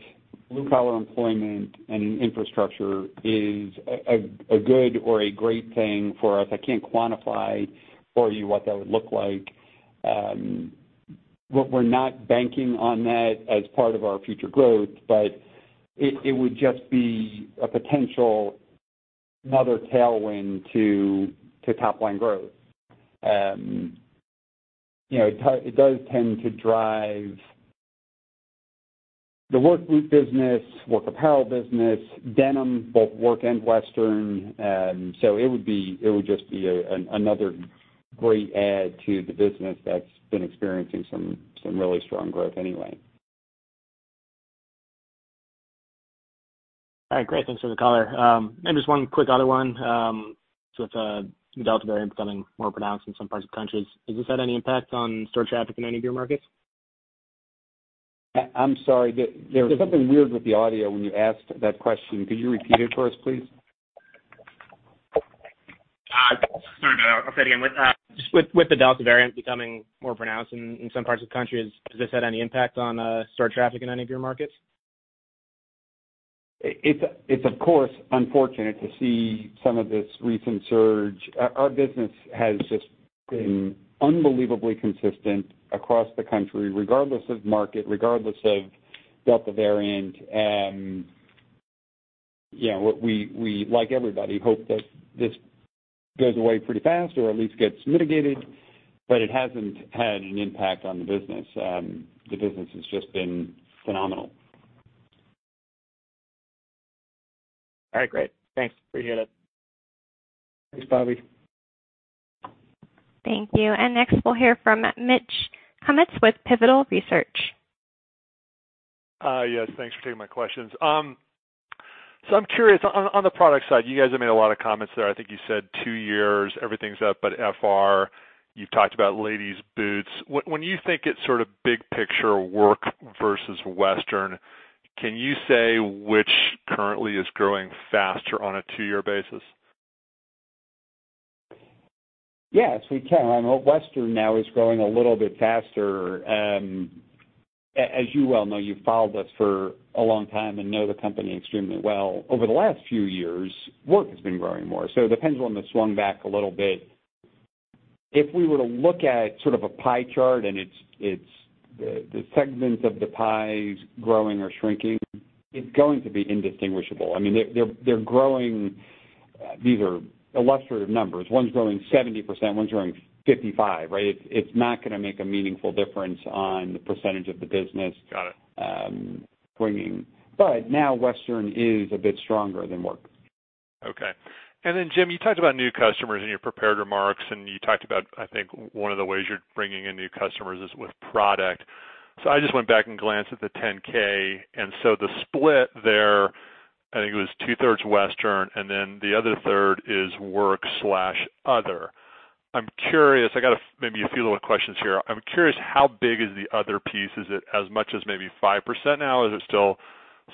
blue-collar employment and infrastructure is a good or a great thing for us. I can't quantify for you what that would look like. We're not banking on that as part of our future growth, but it would just be a potential another tailwind to top line growth. It does tend to drive the work boot business, work apparel business, denim, both work and western. It would just be another great add to the business that's been experiencing some really strong growth anyway. All right. Great. Thanks for the color. Just one quick other one. With the Delta variant becoming more pronounced in some parts of the countries, has this had any impact on store traffic in any of your markets? I'm sorry. There was something weird with the audio when you asked that question. Could you repeat it for us, please? Sorry about that. I'll say it again. With the Delta variant becoming more pronounced in some parts of the country, has this had any impact on store traffic in any of your markets? It's, of course, unfortunate to see some of this recent surge. Our business has just been unbelievably consistent across the country, regardless of market, regardless of Delta variant. We, like everybody, hope that this goes away pretty fast or at least gets mitigated, but it hasn't had an impact on the business. The business has just been phenomenal. All right. Great. Thanks. Appreciate it. Thanks, Bobby. Thank you. Next, we'll hear from Mitch Kummetz with Pivotal Research. Yes, thanks for taking my questions. I'm curious, on the product side, you guys have made a lot of comments there. I think you said two years, everything's up but FR. You've talked about ladies boots. When you think it sort of big picture work versus western, can you say which currently is growing faster on a two-year basis? Yes, we can. Western now is growing a little bit faster. As you well know, you've followed us for a long time and know the company extremely well. Over the last few years, work has been growing more. The pendulum has swung back a little bit. If we were to look at sort of a pie chart, and the segments of the pie growing or shrinking, it's going to be indistinguishable. They're growing. These are illustrative numbers. One's growing 70%, one's growing 55, right? It's not going to make a meaningful difference on the percentage of the business bringing. Got it. Now western is a bit stronger than work. Okay. Jim, you talked about new customers in your prepared remarks, and you talked about, I think, one of the ways you're bringing in new customers is with product. I just went back and glanced at the 10-K. The split there, I think it was two-thirds western and then the other third is work/other. I'm curious, I got maybe a few little questions here. I'm curious, how big is the other piece? Is it as much as maybe 5% now? Is it still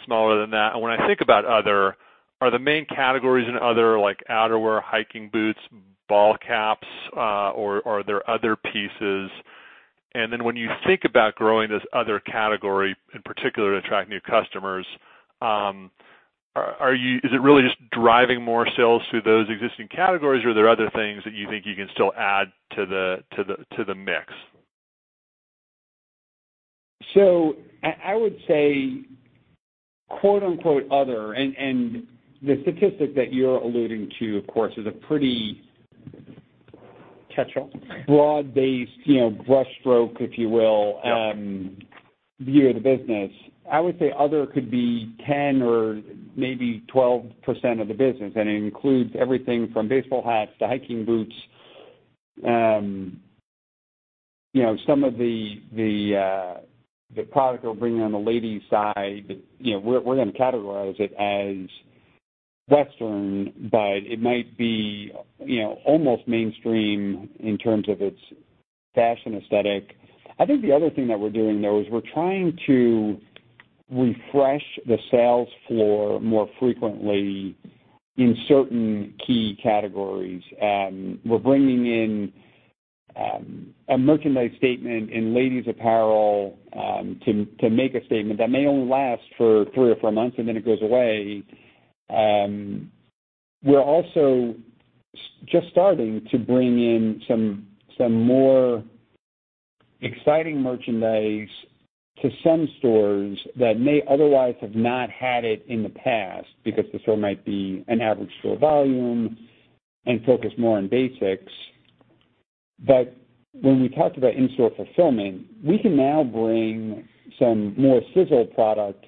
smaller than that? When I think about other, are the main categories in other, like outerwear, hiking boots, ball caps, or are there other pieces? When you think about growing this other category, in particular to attract new customers, is it really just driving more sales through those existing categories, or are there other things that you think you can still add to the mix? I would say, quote unquote, other, and the statistic that you're alluding to, of course, is a pretty-. Tetral Broad-based, brushstroke, if you will view of the business. I would say other could be 10% or maybe 12% of the business, and it includes everything from baseball hats to hiking boots. Some of the product we're bringing on the ladies side, we're going to categorize it as western, but it might be almost mainstream in terms of its fashion aesthetic. I think the other thing that we're doing, though, is we're trying to refresh the sales floor more frequently in certain key categories. We're bringing in a merchandise statement in ladies apparel to make a statement that may only last for three or four months, and then it goes away. We're also just starting to bring in some more exciting merchandise to some stores that may otherwise have not had it in the past because the store might be an average store volume and focus more on basics. When we talked about in-store fulfillment, we can now bring some more sizzle product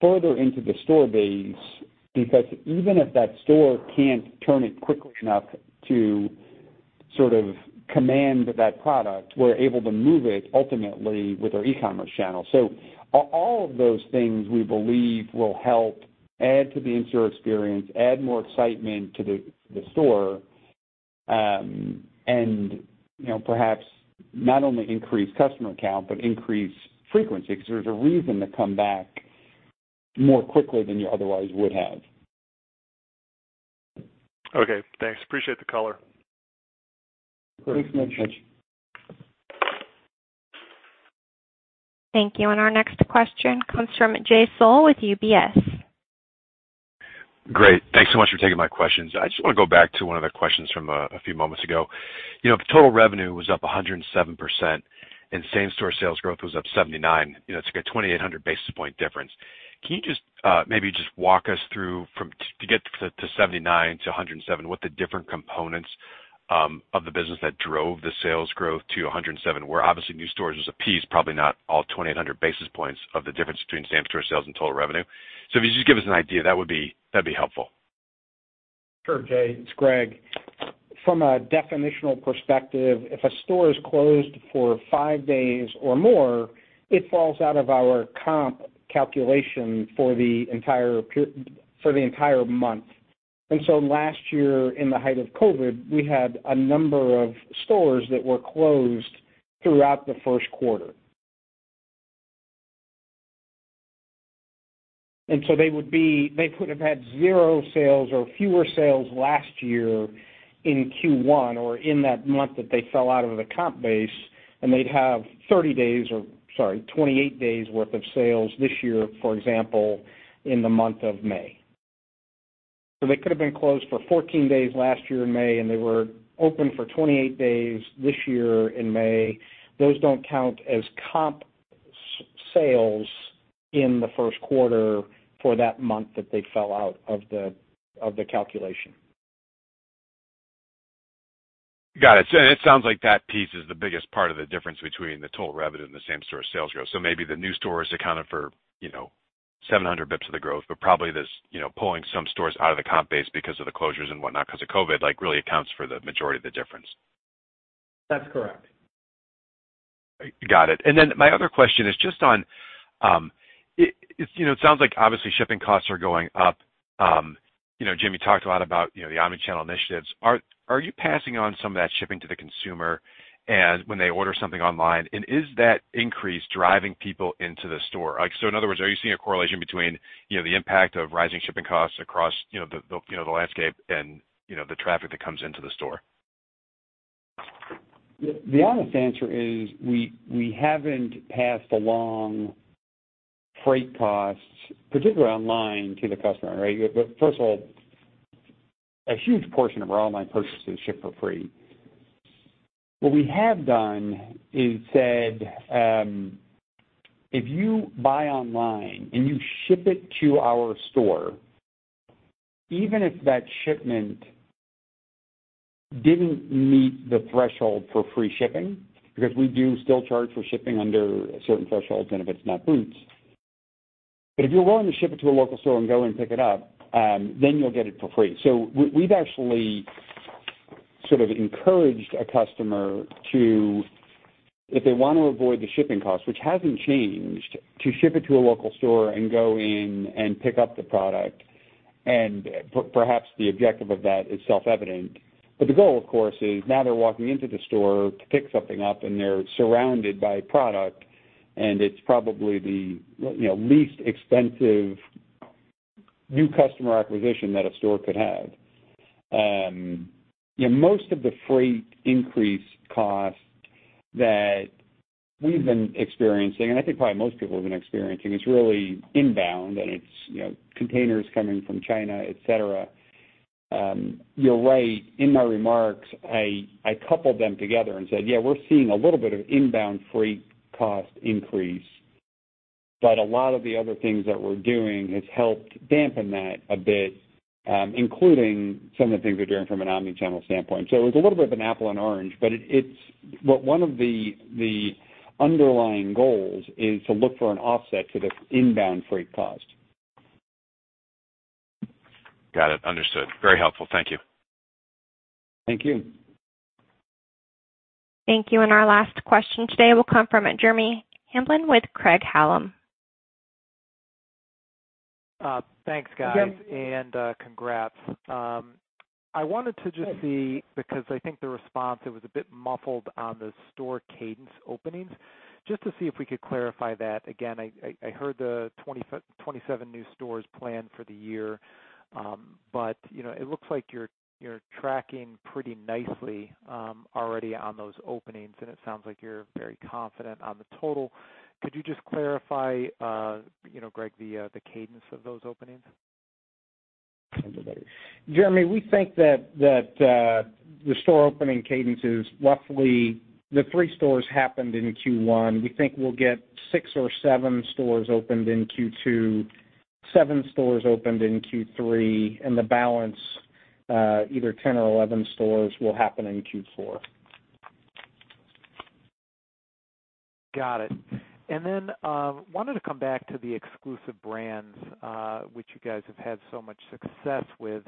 further into the store base because even if that store can't turn it quickly enough to sort of command that product, we're able to move it ultimately with our e-commerce channel. All of those things, we believe will help add to the in-store experience, add more excitement to the store, and perhaps not only increase customer count, but increase frequency because there's a reason to come back more quickly than you otherwise would have. Okay, thanks. Appreciate the color. Thanks, Mitch. Thank you. Our next question comes from Jay Sole with UBS. Great. Thanks so much for taking my questions. I just want to go back to one of the questions from a few moments ago. If total revenue was up 107% and same store sales growth was up 79%, it's like a 2,800 basis point difference. Can you just maybe walk us through, to get to 79%-107%, what the different components of the business that drove the sales growth to 107% were? Obviously, new stores was a piece, probably not all 2,800 basis points of the difference between same store sales and total revenue. If you could just give us an idea, that'd be helpful. Sure, Jay. It's Greg. From a definitional perspective, if a store is closed for 5 days or more, it falls out of our comp calculation for the entire month. Last year, in the height of COVID, we had a number of stores that were closed throughout the 1st quarter. They would have had 0 sales or fewer sales last year in Q1 or in that month that they fell out of the comp base, and they'd have 30 days or, sorry, 28 days worth of sales this year, for example, in the month of May. They could have been closed for 14 days last year in May, and they were open for 28 days this year in May. Those don't count as comp sales in the 1st quarter for that month that they fell out of the calculation. Got it. It sounds like that piece is the biggest part of the difference between the total revenue and the same store sales growth. Maybe the new stores accounted for 700 basis points of the growth, but probably pulling some stores out of the comp base because of the closures and whatnot because of COVID, really accounts for the majority of the difference. That's correct. Got it. My other question is just on, it sounds like obviously shipping costs are going up. Jim, you talked a lot about the omnichannel initiatives. Are you passing on some of that shipping to the consumer when they order something online? Is that increase driving people into the store? In other words, are you seeing a correlation between the impact of rising shipping costs across the landscape and the traffic that comes into the store? The honest answer is we haven't passed along freight costs, particularly online, to the customer, right? First of all, a huge portion of our online purchases ship for free. What we have done is said if you buy online and you ship it to our store, even if that shipment didn't meet the threshold for free shipping, because we do still charge for shipping under certain thresholds and if it's not boots. If you're willing to ship it to a local store and go and pick it up, then you'll get it for free. We've actually sort of encouraged a customer to, if they want to avoid the shipping cost, which hasn't changed, to ship it to a local store and go in and pick up the product, and perhaps the objective of that is self-evident. The goal, of course, is now they're walking into the store to pick something up and they're surrounded by product, and it's probably the least expensive new customer acquisition that a store could have. Most of the freight increase cost that we've been experiencing, and I think probably most people have been experiencing, is really inbound, and it's containers coming from China, et cetera. You're right. In my remarks, I coupled them together and said, "Yeah, we're seeing a little bit of inbound freight cost increase," but a lot of the other things that we're doing has helped dampen that a bit, including some of the things we're doing from an omnichannel standpoint. It was a little bit of an apple and orange, but one of the underlying goals is to look for an offset to this inbound freight cost. Got it. Understood. Very helpful. Thank you. Thank you. Thank you. Our last question today will come from Jeremy Hamblin with Craig-Hallum. Thanks, guys. Hi, Jeremy. Congrats. I wanted to just see, because I think the response, it was a bit muffled on the store cadence openings, just to see if we could clarify that again. I heard the 27 new stores planned for the year. It looks like you're tracking pretty nicely already on those openings, and it sounds like you're very confident on the total. Could you just clarify, Greg, the cadence of those openings? Jeremy, we think that the store opening cadence is roughly the 3 stores happened in Q1. We think we'll get 6 or 7 stores opened in Q2, 7 stores opened in Q3, the balance, either 10 or 11 stores, will happen in Q4. Got it. Wanted to come back to the exclusive brands, which you guys have had so much success with.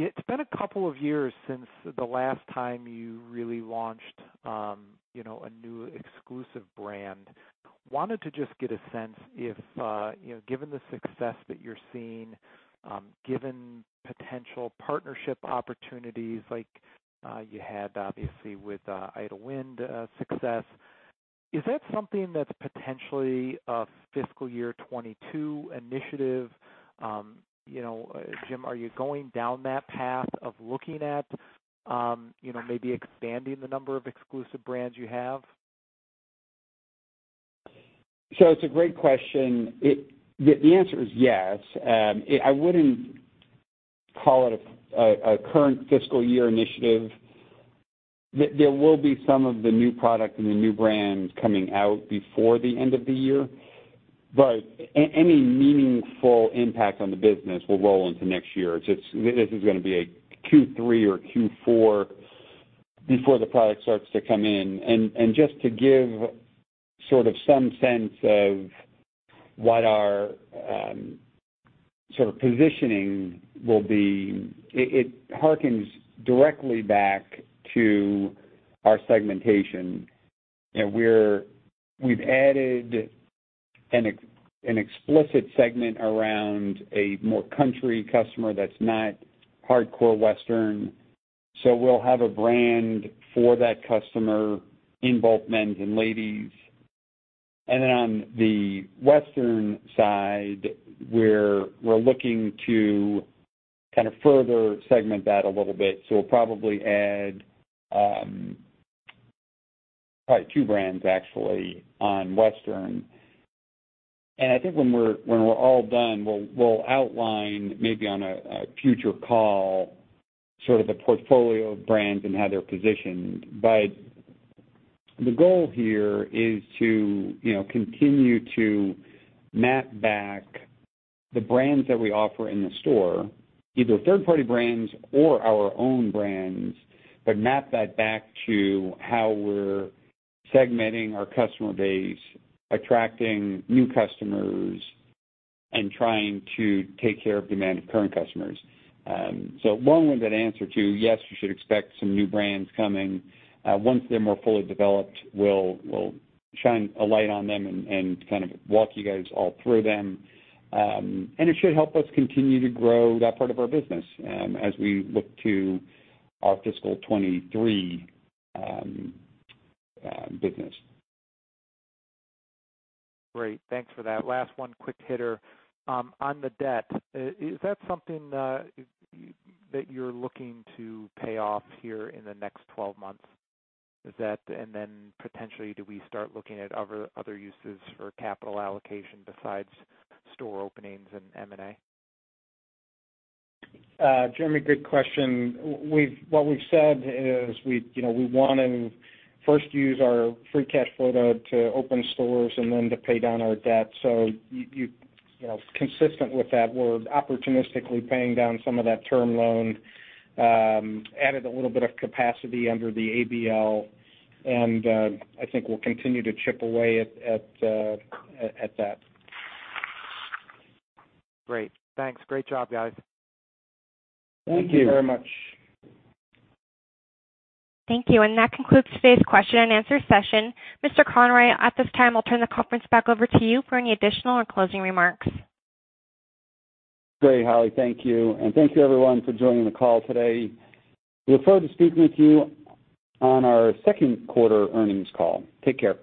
It's been a couple of years since the last time you really launched a new exclusive brand. Wanted to just get a sense if, given the success that you're seeing, given potential partnership opportunities like you had, obviously, with, Idyllwind success, is that something that's potentially a fiscal year 2022 initiative? Jim, are you going down that path of looking at maybe expanding the number of exclusive brands you have? It's a great question. The answer is yes. I wouldn't call it a current fiscal year initiative. There will be some of the new product and the new brands coming out before the end of the year, but any meaningful impact on the business will roll into next year. This is going to be a Q3 or Q4 before the product starts to come in. Just to give some sense of what our positioning will be, it harkens directly back to our segmentation. We've added an explicit segment around a more country customer that's not hardcore Western. We'll have a brand for that customer in both men's and ladies. On the Western side, we're looking to further segment that a little bit. We'll probably add two brands actually on Western. I think when we're all done, we'll outline maybe on a future call, the portfolio of brands and how they're positioned. The goal here is to continue to map back the brands that we offer in the store, either third-party brands or our own brands, but map that back to how we're segmenting our customer base, attracting new customers, and trying to take care of demand of current customers. Long-winded answer to, yes, you should expect some new brands coming. Once they're more fully developed, we'll shine a light on them and walk you guys all through them. It should help us continue to grow that part of our business as we look to our fiscal 2023 business. Great. Thanks for that. Last one, quick hitter. On the debt, is that something that you're looking to pay off here in the next 12 months? Potentially, do we start looking at other uses for capital allocation besides store openings and M&A? Jeremy, good question. What we've said is we want to first use our free cash flow to open stores and then to pay down our debt. Consistent with that, we're opportunistically paying down some of that term loan, added a little bit of capacity under the ABL, and I think we'll continue to chip away at that. Great. Thanks. Great job, guys. Thank you. Thank you very much. Thank you. That concludes today's question and answer session. Mr. Conroy, at this time, I'll turn the conference back over to you for any additional or closing remarks. Great, Holly. Thank you. Thank you, everyone, for joining the call today. We look forward to speaking with you on our second quarter earnings call. Take care.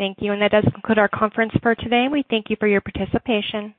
Thank you. That does conclude our conference for today. We thank you for your participation.